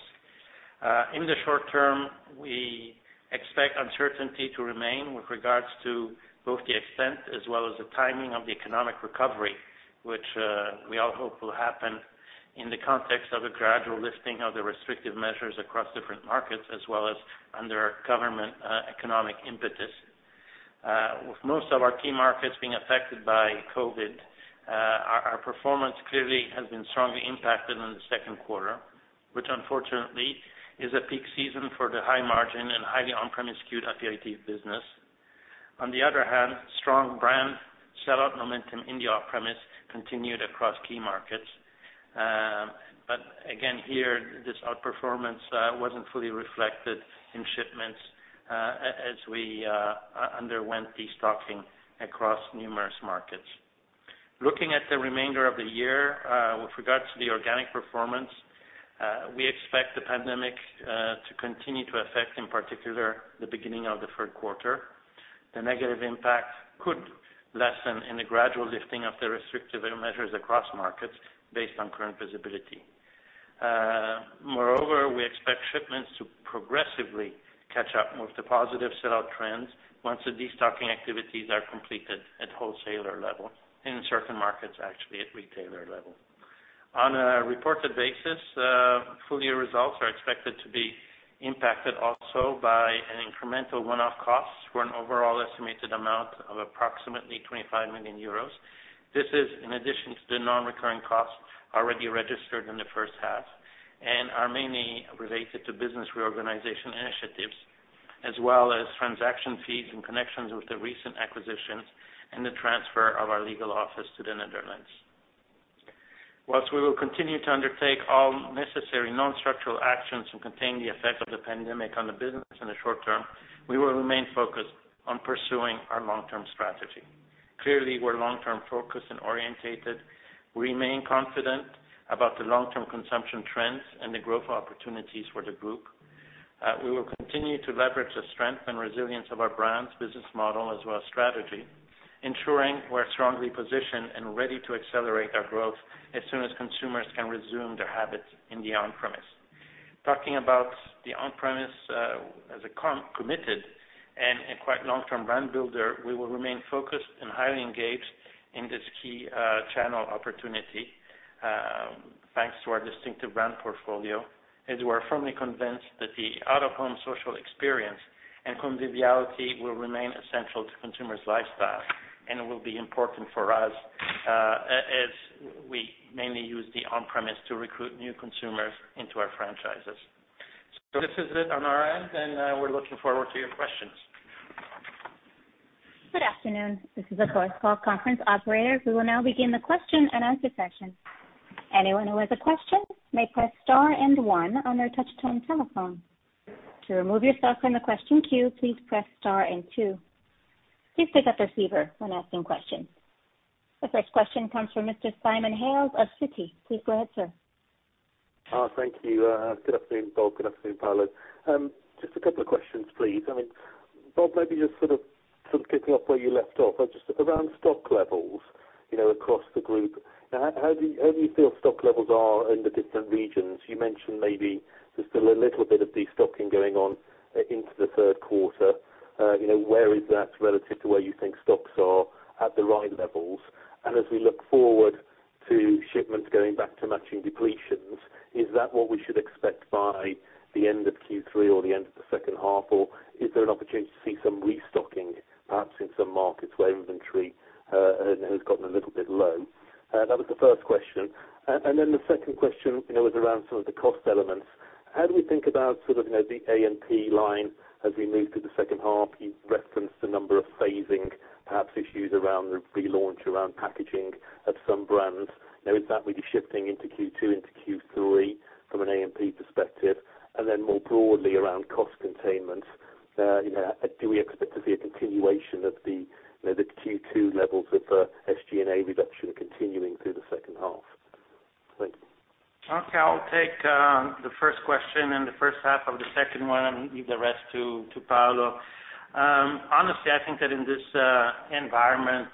In the short term, we expect uncertainty to remain with regards to both the extent as well as the timing of the economic recovery, which we all hope will happen in the context of a gradual lifting of the restrictive measures across different markets as well as under government economic impetus. With most of our key markets being affected by COVID-19, our performance clearly has been strongly impacted in the second quarter, which unfortunately is a peak season for the high margin and highly on-premise skewed Aperol business. On the other hand, strong brand sell-out momentum in the off-premise continued across key markets. Again, here, this outperformance wasn't fully reflected in shipments as we underwent destocking across numerous markets. Looking at the remainder of the year, with regards to the organic performance, we expect the pandemic to continue to affect, in particular, the beginning of the third quarter. The negative impact could lessen in the gradual lifting of the restrictive measures across markets based on current visibility. Moreover, we expect shipments to progressively catch up with the positive sellout trends once the destocking activities are completed at wholesaler level, in certain markets actually at retailer level. On a reported basis, full year results are expected to be impacted also by an incremental one-off cost for an overall estimated amount of approximately 25 million euros. This is in addition to the non-recurring costs already registered in the first half and are mainly related to business reorganization initiatives as well as transaction fees in connections with the recent acquisitions and the transfer of our legal office to the Netherlands. Whilst we will continue to undertake all necessary non-structural actions to contain the effect of the pandemic on the business in the short term, we will remain focused on pursuing our long-term strategy. Clearly, we're long-term focused and orientated, remain confident about the long-term consumption trends and the growth opportunities for the group. We will continue to leverage the strength and resilience of our brand's business model as well as strategy, ensuring we're strongly positioned and ready to accelerate our growth as soon as consumers can resume their habits in the on-premise. Talking about the on-premise as a committed and a quite long-term brand builder, we will remain focused and highly engaged in this key channel opportunity, thanks to our distinctive brand portfolio, as we are firmly convinced that the out-of-home social experience and conviviality will remain essential to consumers' lifestyles and will be important for us as we mainly use the on-premise to recruit new consumers into our franchises. This is it on our end, and we're looking forward to your questions. Good afternoon. This is the conference call operator. We will now begin the question-and-answer session. Anyone who has a question may press star and one on their touchtone telephone. To remove yourself from the question queue, please press star and two. Please pick up your receiver when asking questions. The first question comes from Mr. Simon Hales of Citi. Please go ahead, sir. Thank you. Good afternoon, Bob. Good afternoon, Paolo. Just a couple of questions, please. Bob, maybe just sort of kicking off where you left off. Just around stock levels across the group, how do you feel stock levels are in the different regions? You mentioned maybe there's still a little bit of destocking going on into the third quarter. Where is that relative to where you think stocks are at the right levels? As we look forward to shipments going back to matching depletions, is that what we should expect by the end of Q3 or the end of the second half? Is there an opportunity to see some restocking perhaps in some markets where inventory has gotten a little bit low? That was the first question. The second question was around some of the cost elements. How do we think about the A&P line as we move through the second half? You referenced a number of phasing, perhaps issues around the relaunch around packaging of some brands. Is that really shifting into Q3 A&P perspective, and then more broadly around cost containment, do we expect to see a continuation of the Q2 levels of SG&A reduction continuing through the second half? Thank you. Okay. I'll take the first question and the first half of the second one and leave the rest to Paolo. Honestly, I think that in this environment,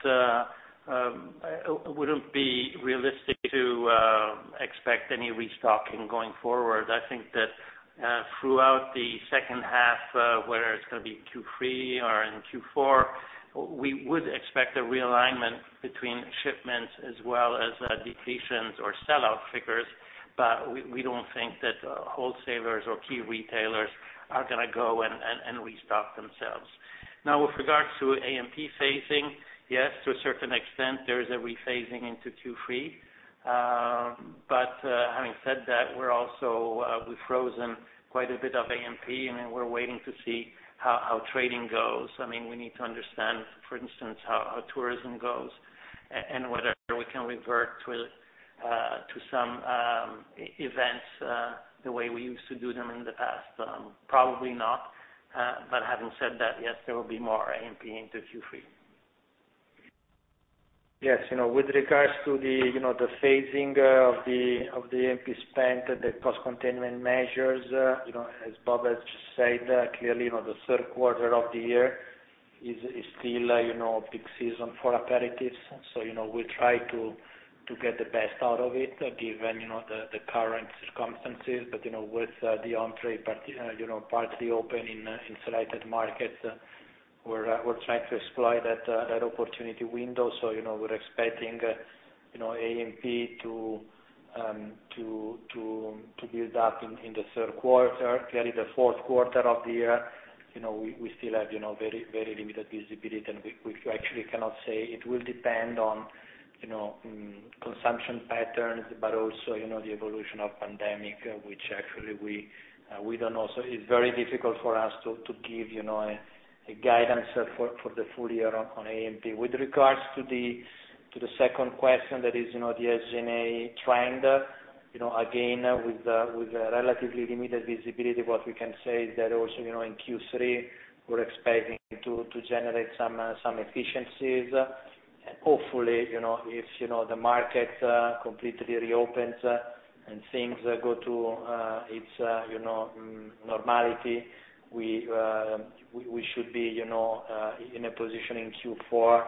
it wouldn't be realistic to expect any restocking going forward. I think that throughout the second half, whether it's going to be Q3 or in Q4, we would expect a realignment between shipments as well as depletions or sellout figures. We don't think that wholesalers or key retailers are going to go and restock themselves. Now, with regards to A&P phasing, yes, to a certain extent, there is a rephasing into Q3. Having said that, we've frozen quite a bit of A&P, and we're waiting to see how trading goes. We need to understand, for instance, how tourism goes and whether we can revert to some events the way we used to do them in the past. Probably not. Having said that, yes, there will be more A&P into Q3. Yes, with regards to the phasing of the A&P spend, the cost containment measures, as Bob has just said, clearly the third quarter of the year is still a big season for aperitifs. With the on-trade partly open in selected markets, we're trying to exploit that opportunity window. We're expecting A&P to build up in the third quarter. The fourth quarter of the year, we still have very limited visibility, and we actually cannot say. It will depend on consumption patterns, but also the evolution of pandemic, which actually we don't know. It's very difficult for us to give a guidance for the full year on A&P. With regards to the second question, that is, the SG&A trend, again, with a relatively limited visibility, what we can say is that also in Q3, we're expecting to generate some efficiencies. Hopefully, if the market completely reopens and things go to its normality, we should be in a position in Q4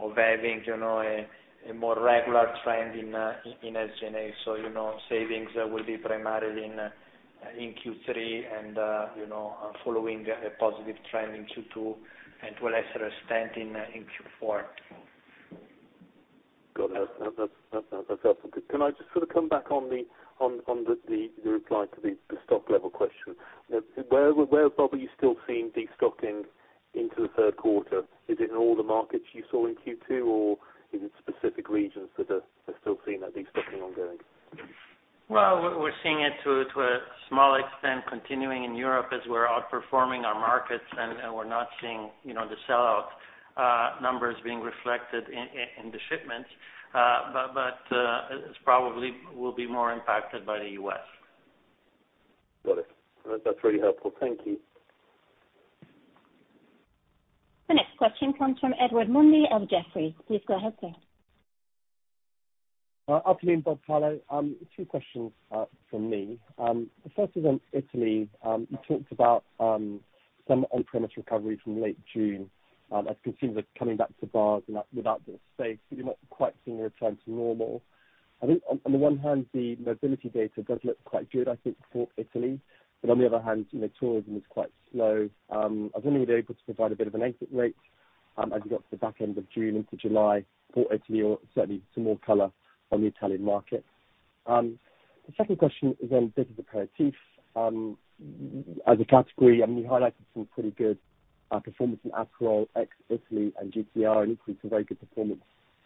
of having a more regular trend in SG&A. Savings will be primarily in Q3 and following a positive trend in Q2 and to a lesser extent in Q4. Got it. That's helpful. Can I just come back on the reply to the stock level question? Where, Bob, are you still seeing de-stocking into the third quarter? Is it in all the markets you saw in Q2, or is it specific regions that are still seeing that de-stocking ongoing? Well, we're seeing it to a small extent continuing in Europe as we're outperforming our markets, and we're not seeing the sellout numbers being reflected in the shipments. It probably will be more impacted by the U.S. Got it. That's really helpful. Thank you. The next question comes from Edward Mundy of Jefferies. Please go ahead, sir. Afternoon, Kunze-Concewitz, Paolo. Two questions from me. The first is on Italy. You talked about some on-premise recovery from late June as consumers are coming back to bars without the space, but you're not quite seeing a return to normal. I think on the one hand, the mobility data does look quite good, I think, for Italy. On the other hand, tourism is quite slow. I was wondering if you would be able to provide a bit of an exit rate as we got to the back end of June into July for Italy, or certainly some more color on the Italian market. The second question is on Bitter Aperitif. As a category, you highlighted some pretty good performance in Aperol, ex-Italy, and GTR, and equally some very good performance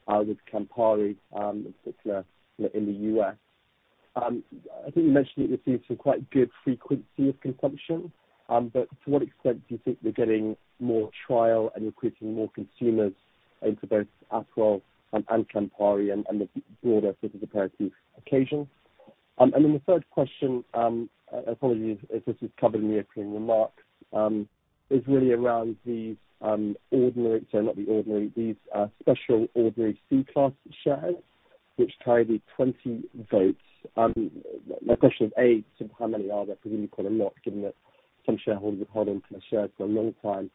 with Campari, et cetera, in the U.S. I think you mentioned that you're seeing some quite good frequency of consumption. To what extent do you think you're getting more trial and recruiting more consumers into both Aperol and Campari and the broader Bitter Aperitif occasion? The third question, apologies if this was covered in the opening remarks, is really around these special ordinary C class shares, which carry 20 votes. My question is, A, how many are there? Because you've got a lot, given that some shareholders have held onto the shares for a long time.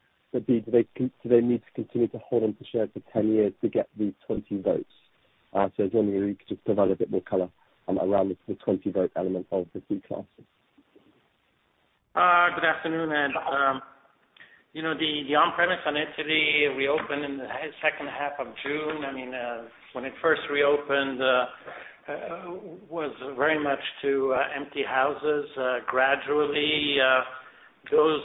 B, do they need to continue to hold onto shares for 10 years to get the 20 votes? I was wondering if you could just provide a bit more color around the 20 vote element of the C classes. Good afternoon, Ed. The on-premise in Italy reopened in the second half of June. When it first reopened, it was very much to empty houses. Gradually, those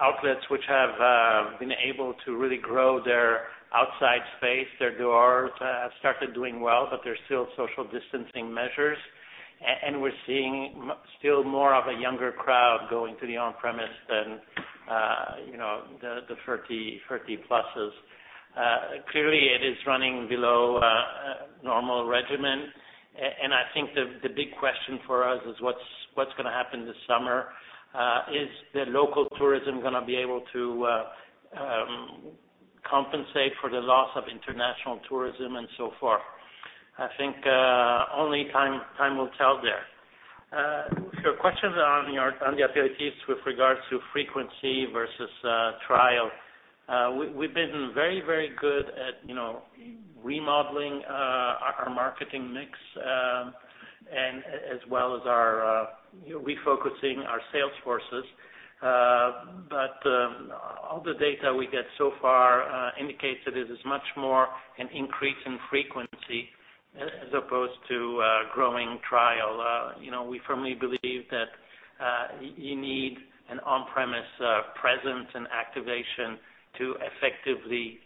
outlets which have been able to really grow their outside space, their doors, have started doing well, but there's still social distancing measures. We're seeing still more of a younger crowd going to the on-premise than the 30+. Clearly, it is running below normal regimen. I think the big question for us is what's going to happen this summer? Is the local tourism going to be able to compensate for the loss of international tourism and so forth? I think only time will tell there. Your questions on the aperitifs with regards to frequency versus trial. We've been very good at remodeling our marketing mix, as well as refocusing our sales forces. All the data we get so far indicates that it is much more an increase in frequency as opposed to a growing trial. We firmly believe that you need an on-premise presence and activation to effectively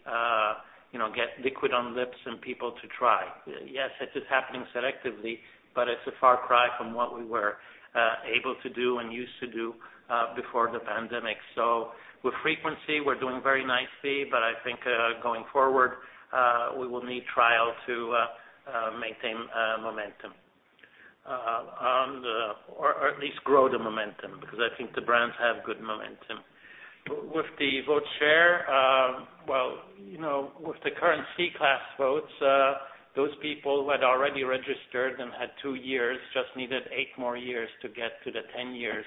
get liquid on lips and people to try. Yes, it is happening selectively, but it's a far cry from what we were able to do and used to do before the pandemic. With frequency, we're doing very nicely, but I think going forward, we will need trial to maintain momentum. At least grow the momentum, because I think the brands have good momentum. The vote share, with the current C-class votes, those people who had already registered and had two years just needed eight more years to get to the 10 years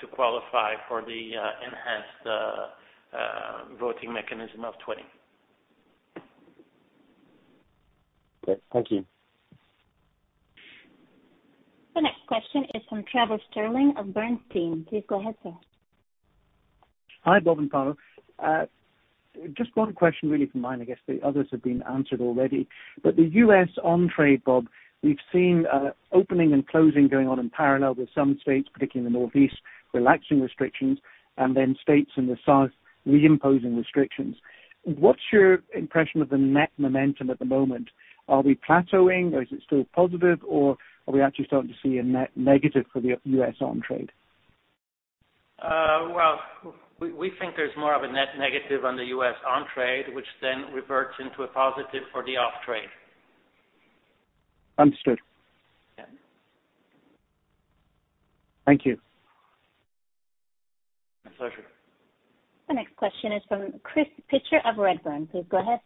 to qualify for the enhanced voting mechanism of 20. Okay. Thank you. The next question is from Trevor Stirling of Bernstein. Please go ahead, sir. Hi, Bob and Paolo. Just one question really from mine, I guess the others have been answered already. The U.S. on-trade, Bob, we've seen opening and closing going on in parallel with some states, particularly in the Northeast, relaxing restrictions, and then states in the South reimposing restrictions. What's your impression of the net momentum at the moment? Are we plateauing or is it still positive, or are we actually starting to see a net negative for the U.S. on-trade? Well, we think there's more of a net negative on the U.S. on-trade, which then reverts into a positive for the off-trade. Understood. Yeah. Thank you. My pleasure. The next question is from Chris Pitcher of Redburn. Please go ahead.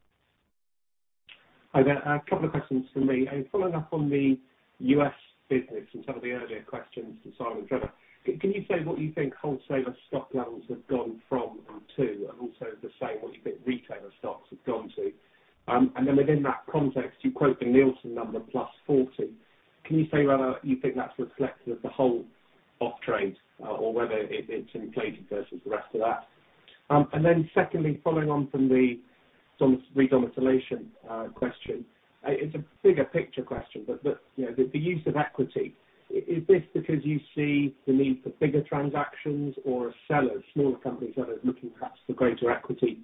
Hi there. A couple of questions from me. Following up on the U.S. business and some of the earlier questions from Simon and Trevor, can you say what you think wholesaler stock levels have gone from and to, and also the same, what you think retailer stocks have gone to? Within that context, you quote the Nielsen number +40. Can you say whether you think that's reflective of the whole off-trade or whether it's inflated versus the rest of that? Secondly, following on from the redomiciliation question. It's a bigger picture question, but the use of equity. Is this because you see the need for bigger transactions or sellers, smaller companies rather, looking perhaps for greater equity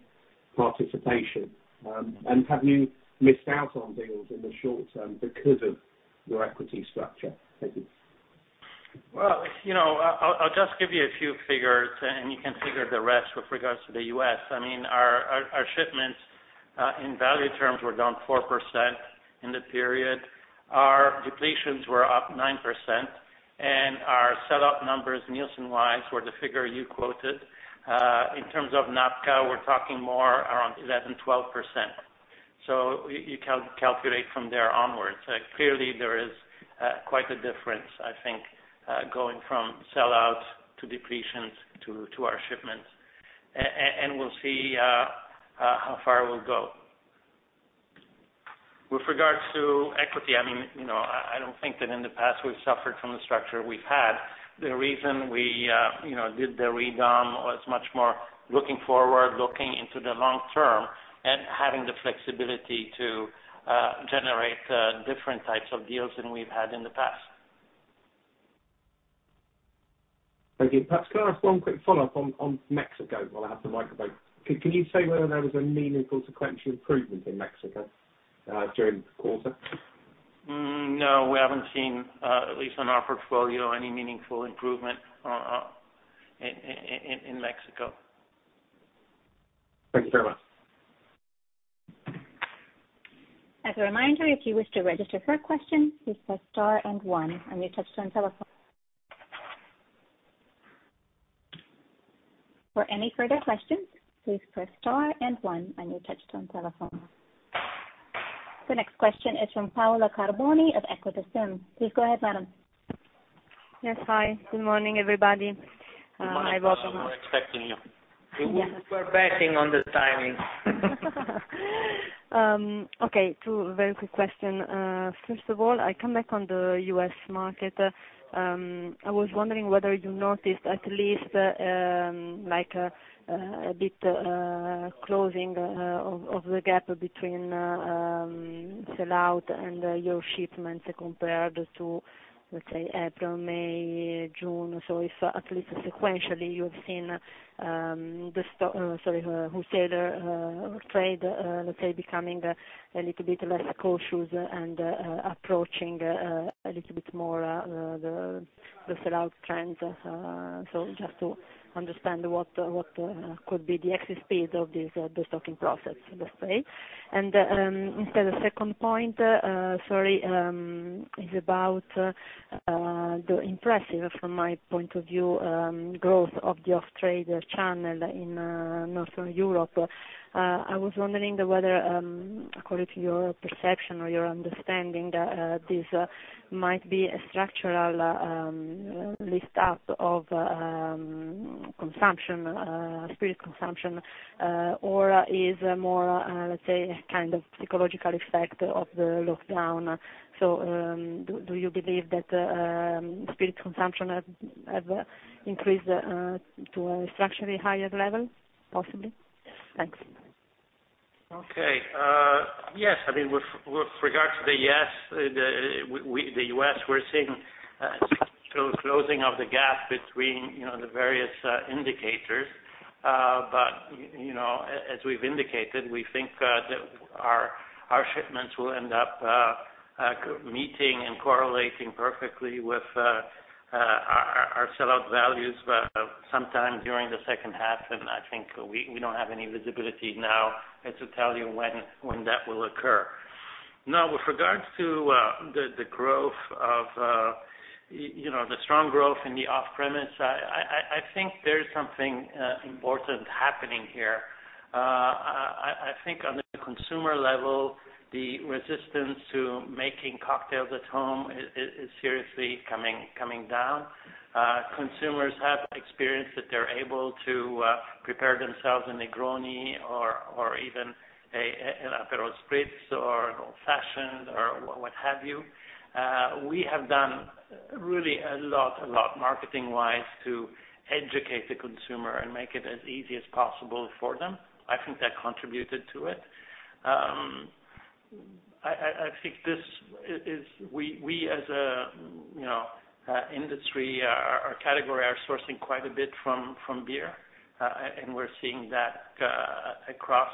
participation? Have you missed out on deals in the short term because of your equity structure? Thank you. Well, I'll just give you a few figures, and you can figure the rest with regards to the U.S. Our shipments in value terms were down 4% in the period. Our depletions were up 9%, and our sellout numbers, Nielsen-wise, were the figure you quoted. In terms of NABCA, we're talking more around 11%-12%. You can calculate from there onwards. Clearly, there is quite a difference, I think, going from sell-out to depletions to our shipments. We'll see how far we'll go. With regards to equity, I don't think that in the past we've suffered from the structure we've had. The reason we did the redom was much more looking forward, looking into the long term, and having the flexibility to generate different types of deals than we've had in the past. Thank you. Perhaps can I ask one quick follow-up on Mexico while I have the microphone? Can you say whether there was a meaningful sequential improvement in Mexico during the quarter? No, we haven't seen, at least on our portfolio, any meaningful improvement in Mexico. Thank you very much. As a reminder, if you wish to register for a question, please press star and one on your touch-tone telephone. For any further questions, please press star and one on your touch-tone telephone. The next question is from Paola Carboni of EQUITA SIM. Please go ahead, madam. Yes. Hi, good morning, everybody. Good morning, Paola. We're expecting you. We were betting on this timing. Okay, two very quick questions. First of all, I come back on the U.S. market. I was wondering whether you noticed at least a bit closing of the gap between sell-out and your shipments compared to, let's say, April, May, June. If at least sequentially, you have seen the wholesaler trade, let's say, becoming a little bit less cautious and approaching a little bit more the sell-out trends. Just to understand what could be the exit speed of this restocking process, let's say. Instead, the second point is about the impressive, from my point of view, growth of the off-trade channel in Northern Europe. I was wondering whether, according to your perception or your understanding, this might be a structural lift-up of spirit consumption, or is more, let's say, a kind of psychological effect of the lockdown. Do you believe that spirit consumption have increased to a structurally higher level, possibly? Thanks. Yes, with regards to the U.S., we're seeing some closing of the gap between the various indicators. As we've indicated, we think that our shipments will end up meeting and correlating perfectly with our sell-out values sometime during the second half. I think we don't have any visibility now as to tell you when that will occur. With regards to the strong growth in the off-premise, I think there's something important happening here. I think on the consumer level, the resistance to making cocktails at home is seriously coming down. Consumers have experienced that they're able to prepare themselves a Negroni or even an Aperol Spritz or an Old Fashioned, or what have you. We have done really a lot marketing-wise to educate the consumer and make it as easy as possible for them. I think that contributed to it. We as an industry, our category are sourcing quite a bit from beer, and we're seeing that across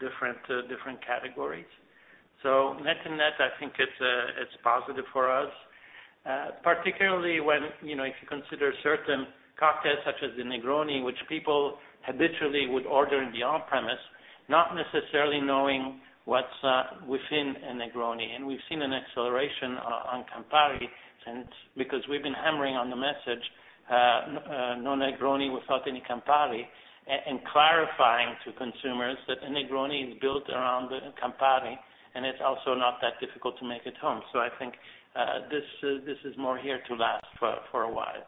different categories. Net-to-net, I think it's positive for us, particularly if you consider certain cocktails such as the Negroni, which people habitually would order in the on-premise, not necessarily knowing what's within a Negroni. And we've seen an acceleration on Campari since, because we've been hammering on the message, "No Negroni without any Campari," and clarifying to consumers that a Negroni is built around Campari, and it's also not that difficult to make at home. I think this is more here to last for a while.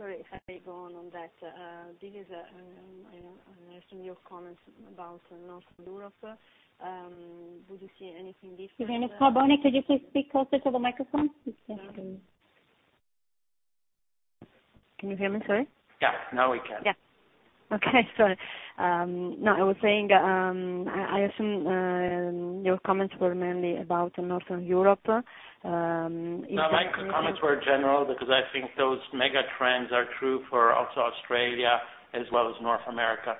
Sorry, if I may go on on that. I assume your comments about Northern Europe, do you see anything different? Excuse me, Ms. Carboni, could you please speak closer to the microphone? Can you hear me, sorry? Yeah. Now we can. Yeah. Okay, sorry. No, I was saying, I assume your comments were mainly about Northern Europe. My comments were general because I think those mega trends are true for also Australia as well as North America.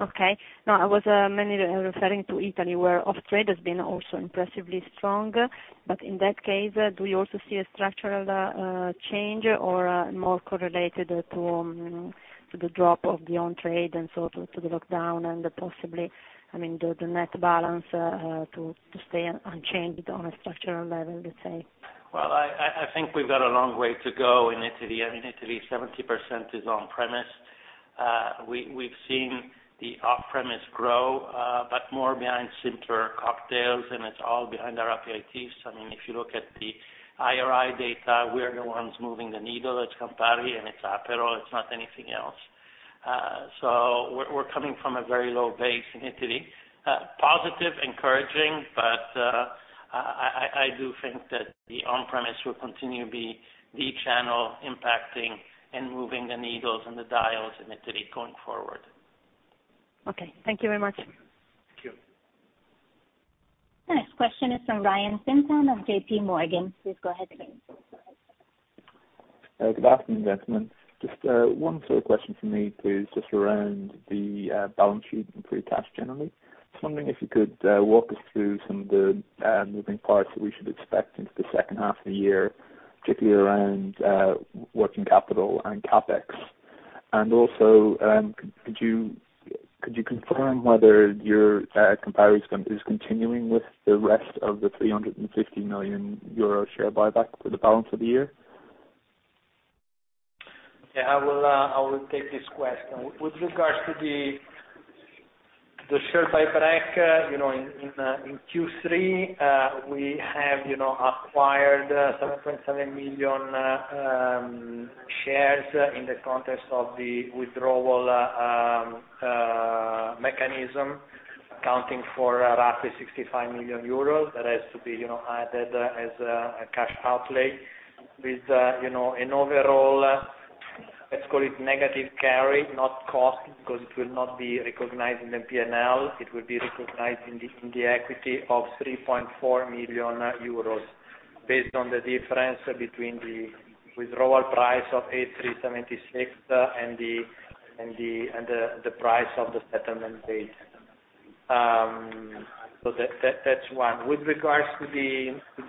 Okay. No, I was mainly referring to Italy, where off-trade has been also impressively strong. In that case, do you also see a structural change or more correlated to the drop of the on-trade and so to the lockdown and possibly, I mean, the net balance to stay unchanged on a structural level, let's say? Well, I think we've got a long way to go in Italy. I mean, Italy, 70% is on-premise. We've seen the off-premise grow, but more behind simpler cocktails, and it's all behind our Aperitifs. If you look at the IRI data, we're the ones moving the needle. It's Campari and it's Aperol. It's not anything else. We're coming from a very low base in Italy. Positive, encouraging. I do think that the on-premise will continue to be the channel impacting and moving the needles and the dials in Italy going forward. Okay. Thank you very much. Thank you. The next question is from Ryan Fintan of JPMorgan. Please go ahead, Ryan. Good afternoon, gentlemen. Just one question from me, please, just around the balance sheet and free cash generally. Just wondering if you could walk us through some of the moving parts that we should expect into the second half of the year, particularly around working capital and CapEx. Also, could you confirm whether Campari is continuing with the rest of the 350 million euro share buyback for the balance of the year? Yeah, I will take this question. With regards to the share buyback. In Q3, we have acquired 7.7 million shares in the context of the withdrawal mechanism, accounting for roughly 65 million euros. That has to be added as a cash outlay with an overall, let's call it negative carry, not cost, because it will not be recognized in the P&L. It will be recognized in the equity of 3.4 million euros, based on the difference between the withdrawal price of 8.376 and the price of the settlement date. That's one. With regards to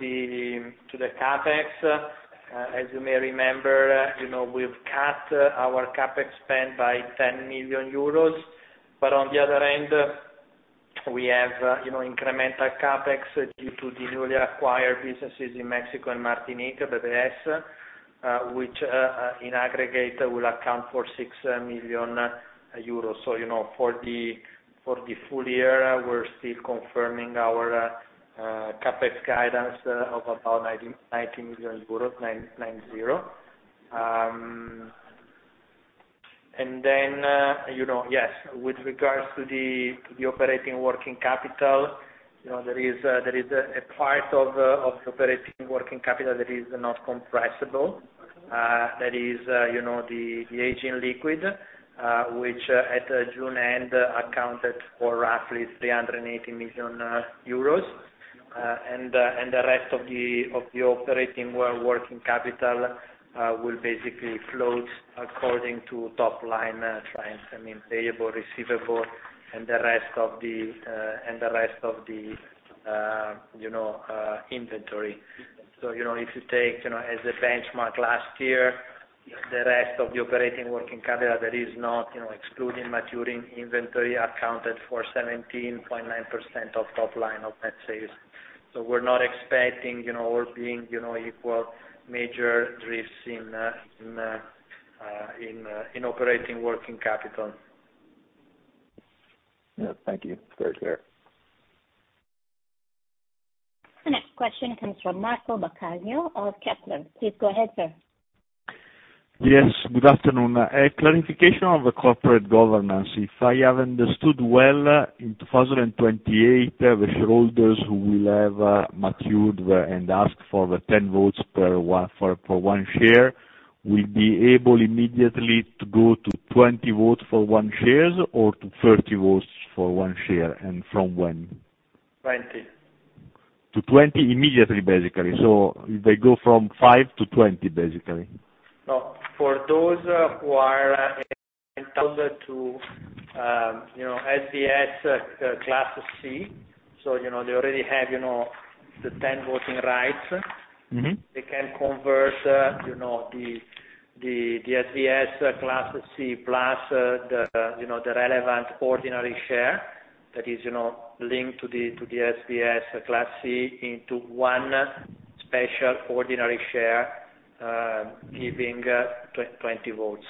the CapEx, as you may remember, we've cut our CapEx spend by 10 million euros, but on the other end, we have incremental CapEx due to the newly acquired businesses in Mexico and Martinique, BBS, which in aggregate will account for 6 million euros. For the full year, we're still confirming our CapEx guidance of about EUR 90 million, nine zero. Yes, with regards to the operating working capital, there is a part of the operating working capital that is not compressible. That is the aging liquid, which at June end accounted for roughly 380 million euros. The rest of the operating working capital will basically float according to top line trends. I mean, payable, receivable, and the rest of the inventory. If you take as a benchmark last year, the rest of the operating working capital that is not excluding maturing inventory accounted for 17.9% of top line of net sales. We're not expecting or being equal major drifts in operating working capital. Yeah, thank you. It's very clear. The next question comes from Marco Baccaglio of Kepler. Please go ahead, sir. Yes, good afternoon. A clarification on the corporate governance. If I have understood well, in 2028, the shareholders who will have matured and asked for the 10 votes for one share will be able immediately to go to 20 votes for one shares or to 30 votes for one share, and from when? Twenty. To 20 immediately, basically. They go from five to 20, basically. No, for those who are entitled to SVS class C, so they already have the 10 voting rights. They can convert the SVS class C plus the relevant ordinary share that is linked to the SVS class C into one special ordinary share, giving 20 votes.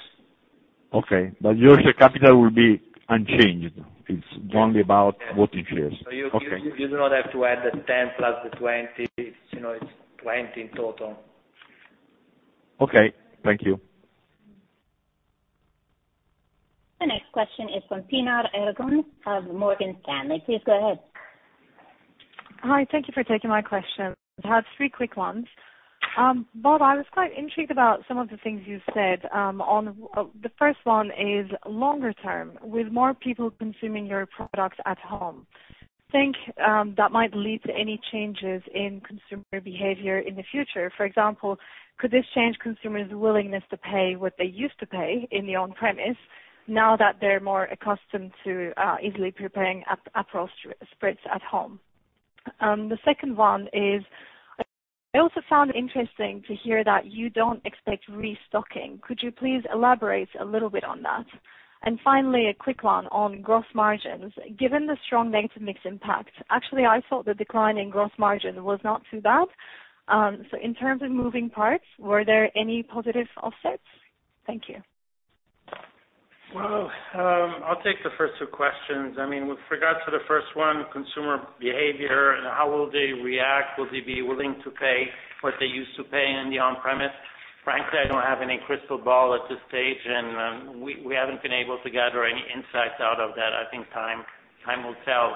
Okay, your share capital will be unchanged. It's only about voting shares. Okay. You do not have to add the 10+20. It's 20 in total. Okay, thank you. The next question is from Pinar Ergun of Morgan Stanley. Please go ahead. Hi. Thank you for taking my question. I have three quick ones. Bob, I was quite intrigued about some of the things you said. The first one is longer term. With more people consuming your products at home, do you think that might lead to any changes in consumer behavior in the future? For example, could this change consumers' willingness to pay what they used to pay in the on-premise now that they're more accustomed to easily preparing Aperol Spritz at home? The second one is, I also found it interesting to hear that you don't expect restocking. Could you please elaborate a little bit on that? Finally, a quick one on gross margins. Given the strong negative mix impact, actually, I thought the decline in gross margin was not too bad. In terms of moving parts, were there any positive offsets? Thank you. Well, I'll take the first two questions. With regards to the first one, consumer behavior and how will they react, will they be willing to pay what they used to pay in the on-premise? Frankly, I don't have any crystal ball at this stage, and we haven't been able to gather any insights out of that. I think time will tell.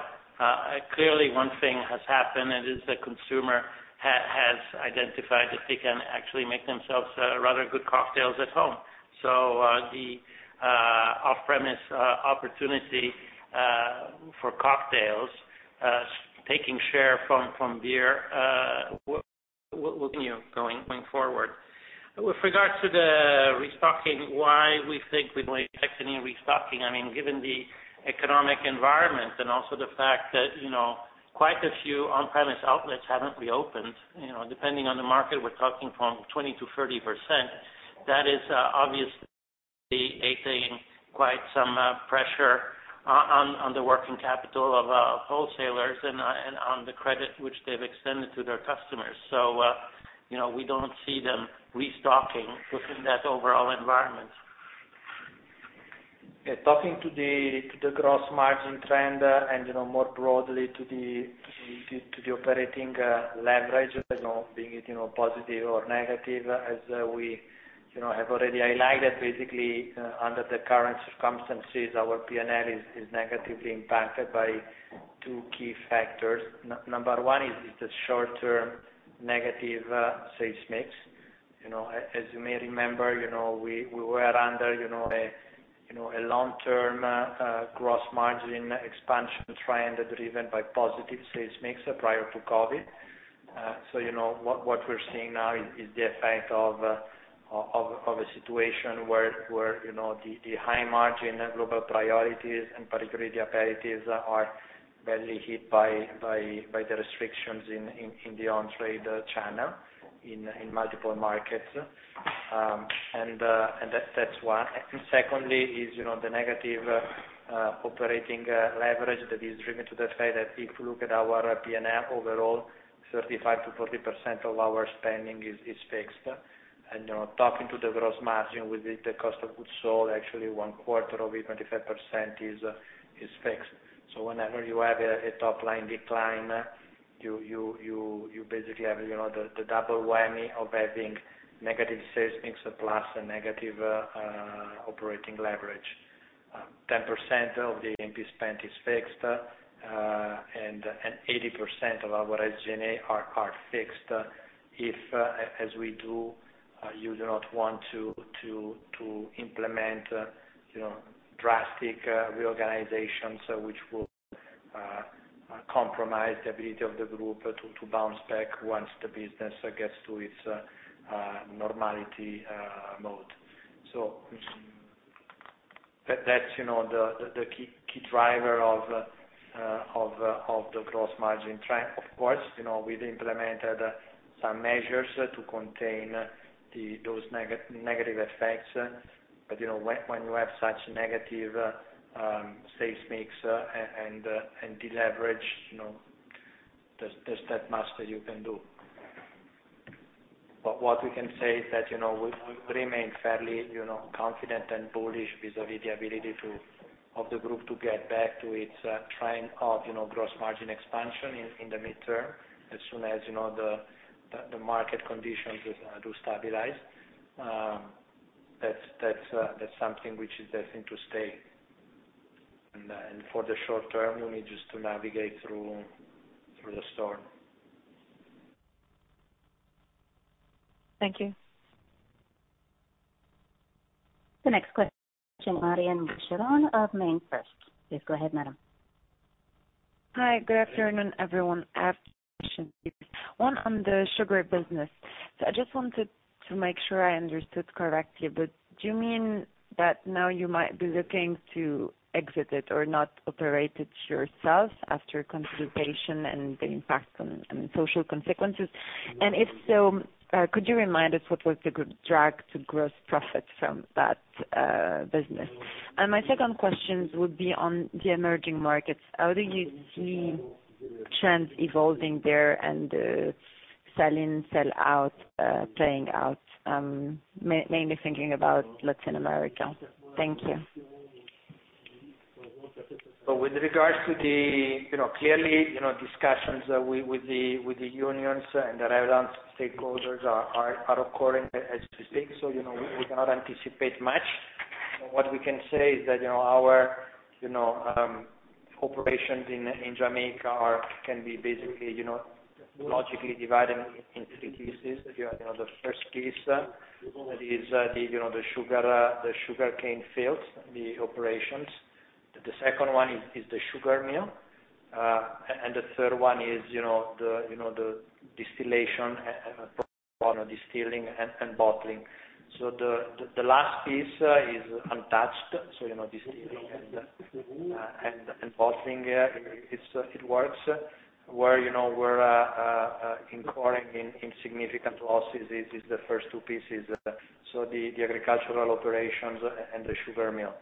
Clearly, one thing has happened, and it's the consumer has identified that they can actually make themselves rather good cocktails at home. The off-premise opportunity for cocktails taking share from beer will continue going forward. With regards to the restocking, why we think we don't expect any restocking, given the economic environment and also the fact that quite a few on-premise outlets haven't reopened. Depending on the market, we're talking from 20%-30%. That is obviously creating quite some pressure on the working capital of wholesalers and on the credit which they've extended to their customers. So we don't see them restocking within that overall environment. Talking to the gross margin trend and more broadly to the operating leverage, being it positive or negative, as we have already highlighted, basically, under the current circumstances, our P&L is negatively impacted by two key factors. Number one is the short-term negative sales mix. As you may remember, we were under a long-term gross margin expansion trend driven by positive sales mix prior to COVID-19. What we're seeing now is the effect of a situation where the high margin global priorities, and particularly the aperitifs, are badly hit by the restrictions in the on-trade channel in multiple markets. That's one. Secondly is the negative operating leverage that is driven to the fact that if you look at our P&L overall, 35%-40% of our spending is fixed. Talking to the gross margin with the cost of goods sold, actually one quarter of it, 25%, is fixed. Whenever you have a top-line decline, you basically have the double whammy of having negative sales mix plus a negative operating leverage. 10% of the A&P spend is fixed, and 80% of our SG&A are fixed. If, as we do, you do not want to implement drastic reorganizations which will compromise the ability of the group to bounce back once the business gets to its normality mode. That's the key driver of the gross margin trend. Of course, we've implemented some measures to contain those negative effects. When you have such negative sales mix and deleverage, there's steadfast you can do. What we can say is that we remain fairly confident and bullish vis-à-vis the ability of the group to get back to its trend of gross margin expansion in the midterm, as soon as the market conditions do stabilize. That's something which is there to stay. For the short term, we need just to navigate through the storm. Thank you. The next question, Marion Boucheron of MainFirst. Please go ahead, madam. Hi. Good afternoon, everyone. I have two questions. One on the sugar business. I just wanted to make sure I understood correctly, do you mean that now you might be looking to exit it or not operate it yourself after consultation and the impact and social consequences? If so, could you remind us what was the drag to gross profit from that business? My second question would be on the emerging markets. How do you see trends evolving there and sell in, sell out playing out? Mainly thinking about Latin America. Thank you. With regards to the, clearly, discussions with the unions and the relevant stakeholders are occurring as we speak. We cannot anticipate much. What we can say is that our operations in Jamaica can be basically, logically divided into three pieces. If you have the first piece, that is the sugarcane fields, the operations. The second one is the sugar mill. The third one is the distilling and bottling. The last piece is untouched. Distilling and bottling, it works. Where we're incurring insignificant losses is the first two pieces. The agricultural operations and the sugar mill.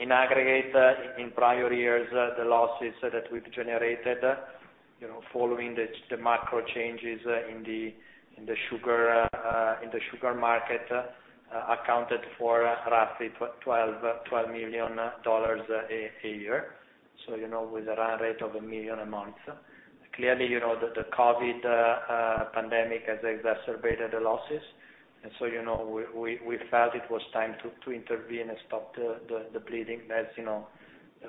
In aggregate, in prior years, the losses that we've generated following the macro changes in the sugar market accounted for roughly $12 million a year. With a run rate of a million a month. Clearly, the COVID pandemic has exacerbated the losses. We felt it was time to intervene and stop the bleeding, as the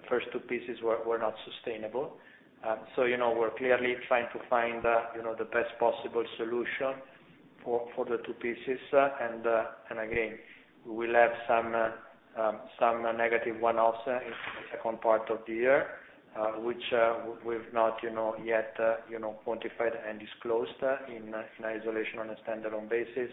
first two pieces were not sustainable. We're clearly trying to find the best possible solution for the two pieces. Again, we will have some negative one-offs in the second part of the year, which we've not yet quantified and disclosed in isolation on a stand-alone basis.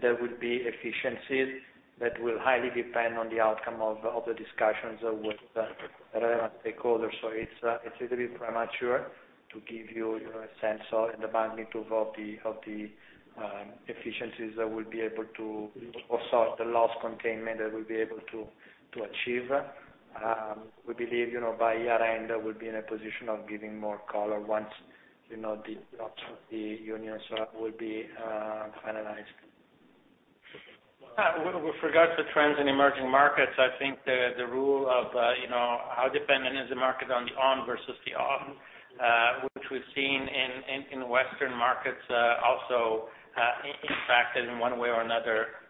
There will be efficiencies that will highly depend on the outcome of the discussions with the relevant stakeholders. It's a little bit premature to give you a sense of the magnitude of the efficiencies that we'll be able to also the loss containment that we'll be able to achieve. We believe, by year-end, we'll be in a position of giving more color once the options, the unions will be finalized. With regards to trends in emerging markets, I think the rule of how dependent is the market on the on versus the off, which we've seen in the Western markets, also impacted in one way or another,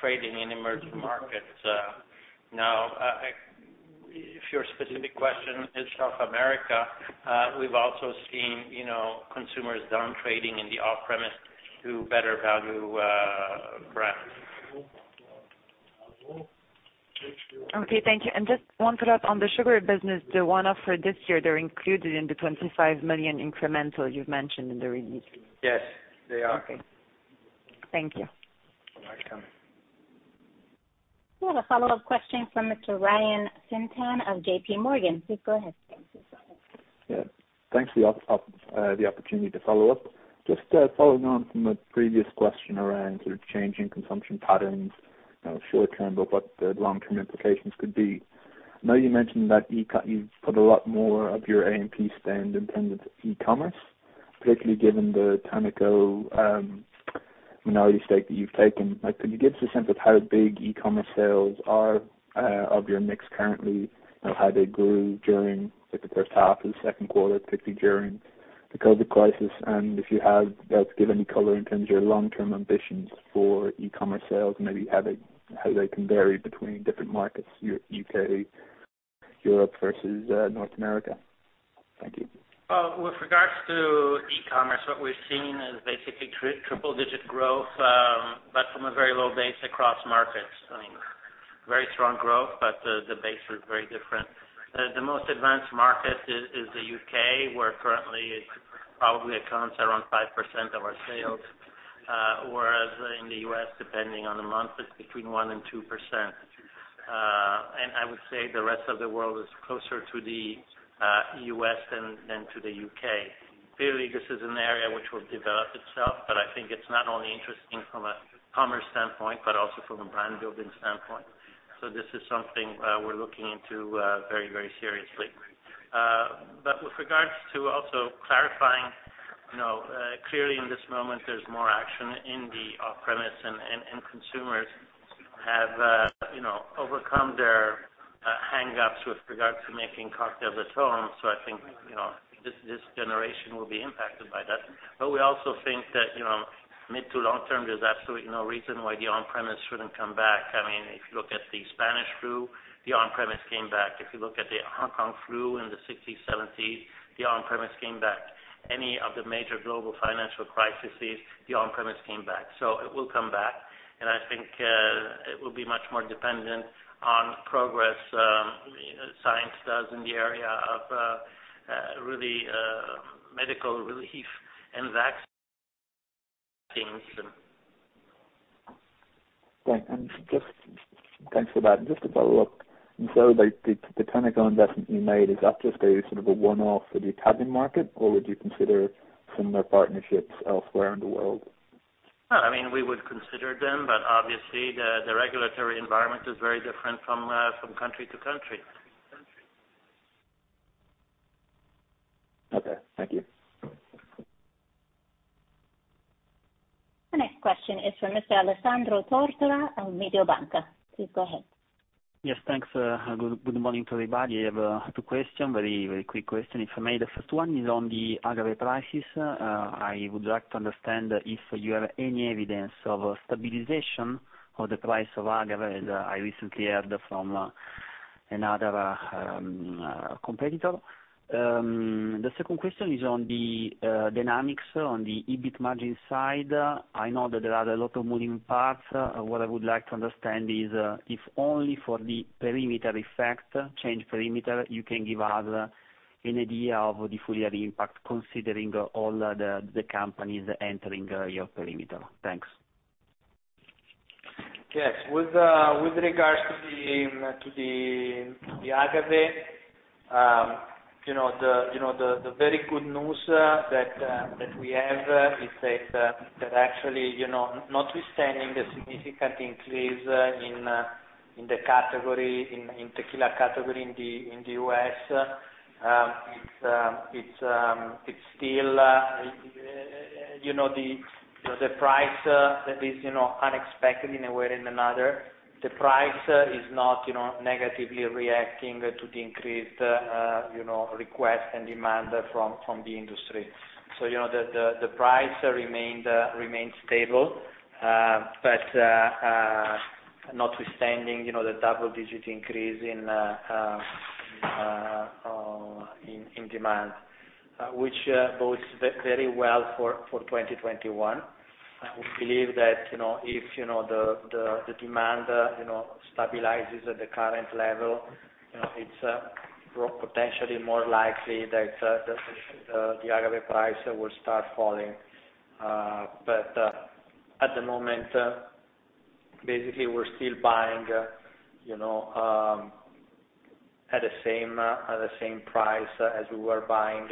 trading in emerging markets. Now, if your specific question is South America, we've also seen consumers down trading in the off-premise to better value brands. Okay, thank you. Just one follow-up on the sugar business, the one offered this year, they're included in the 25 million incremental you've mentioned in the release? Yes, they are. Okay. Thank you. You're welcome. We have a follow-up question from Mr. Ryan Fintan of JPMorgan. Please go ahead. Yeah. Thanks for the opportunity to follow up. Just following on from a previous question around sort of changing consumption patterns, short-term, but what the long-term implications could be. I know you mentioned that you've put a lot more of your A&P spend in terms of e-commerce, particularly given the Tannico minority stake that you've taken. Could you give us a sense of how big e-commerce sales are of your mix currently? How they grew during the first half of the second quarter, particularly during the COVID-19 crisis? If you have, give any color in terms of your long-term ambitions for e-commerce sales, maybe how they can vary between different markets, U.K., Europe versus North America. Thank you. Well, with regards to e-commerce, what we've seen is basically triple-digit growth, but from a very low base across markets. Very strong growth, the base is very different. The most advanced market is the U.K., where currently it probably accounts around 5% of our sales. Whereas in the U.S., depending on the month, it's between 1% and 2%. I would say the rest of the world is closer to the U.S. than to the U.K. Clearly, this is an area which will develop itself, but I think it's not only interesting from a commerce standpoint, but also from a brand-building standpoint. This is something we're looking into very seriously. With regards to also clarifying, clearly in this moment, there's more action in the off-premise and consumers have overcome their hang-ups with regard to making cocktails at home. I think this generation will be impacted by that. We also think that mid to long-term, there's absolutely no reason why the on-premise shouldn't come back. If you look at the Spanish flu, the on-premise came back. If you look at the Hong Kong flu in the '60, '70s, the on-premise came back. Any of the major global financial crises, the on-premise came back. It will come back, and I think it will be much more dependent on progress science does in the area of really medical relief and vaccines. Great. Thanks for that. Just to follow up, and so the Tannico investment you made, is that just a sort of a one-off for the Italian market, or would you consider similar partnerships elsewhere in the world? We would consider them, but obviously the regulatory environment is very different from country to country. Okay. Thank you. The next question is from Mr. Alessandro Tortora of Mediobanca. Please go ahead. Yes, thanks. Good morning to everybody. I have two question, very quick question, if I may. The first one is on the agave prices. I would like to understand if you have any evidence of stabilization of the price of agave, as I recently heard from another competitor. The second question is on the dynamics on the EBIT margin side. I know that there are a lot of moving parts. What I would like to understand is, if only for the perimeter effect, change perimeter, you can give us an idea of the full year impact, considering all the companies entering your perimeter. Thanks. Yes. With regards to the agave, the very good news that we have is that actually, notwithstanding the significant increase in the tequila category in the U.S., the price that is unexpected in a way or another, the price is not negatively reacting to the increased request and demand from the industry. The price remains stable. Notwithstanding, the double-digit increase in demand, which bodes very well for 2021. We believe that if the demand stabilizes at the current level, it's potentially more likely that the agave price will start falling. At the moment, basically we're still buying at the same price as we were buying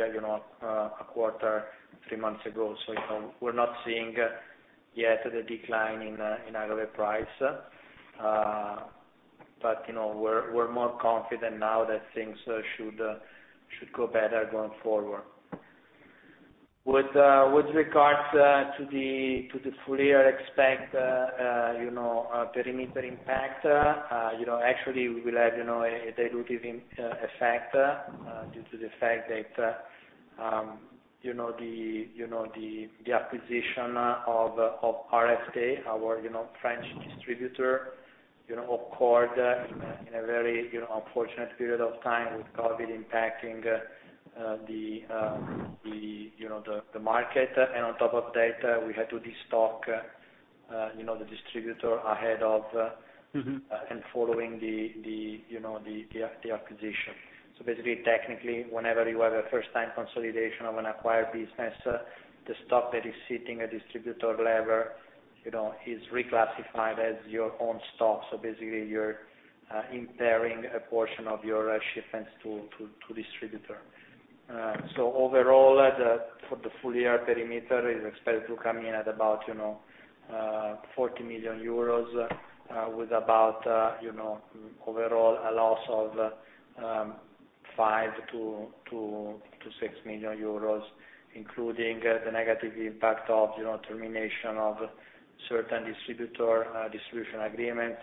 a quarter, three months ago. We're not seeing yet the decline in agave price. We're more confident now that things should go better going forward. With regards to the full year expect perimeter impact, actually, we will have a dilutive effect due to the fact that the acquisition of RFD, our French distributor, occurred in a very unfortunate period of time with COVID impacting the market. On top of that, we had to destock the distributor ahead of and following the acquisition. Whenever you have a first time consolidation of an acquired business, the stock that is sitting at distributor level is reclassified as your own stock. You're impairing a portion of your shipments to distributor. For the full year perimeter, is expected to come in at about 40 million euros, with about, overall, a loss of 5 million-6 million euros, including the negative impact of termination of certain distributor, distribution agreements,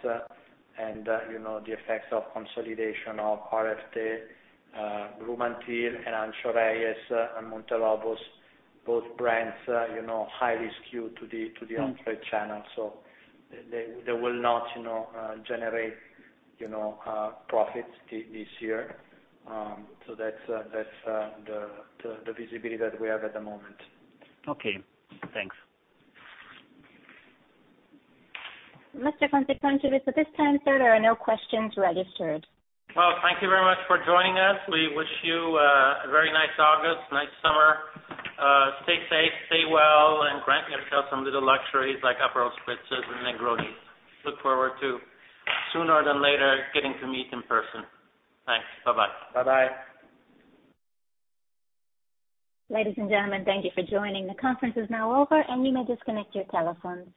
and the effects of consolidation of RFD, Rhumantilles, and Ancho Reyes, and Montelobos, both brands highly skewed to the on-trade channel. They will not generate profits this year. That's the visibility that we have at the moment. Okay, thanks. Mr. Kunze-Concewitz, at this time, sir, there are no questions registered. Well, thank you very much for joining us. We wish you a very nice August, nice summer. Stay safe, stay well, and grant yourself some little luxuries like Aperol Spritzes and Negronis. Look forward to sooner than later getting to meet in person. Thanks. Bye-bye. Bye-bye. Ladies and gentlemen, thank you for joining. The conference is now over, and you may disconnect your telephones.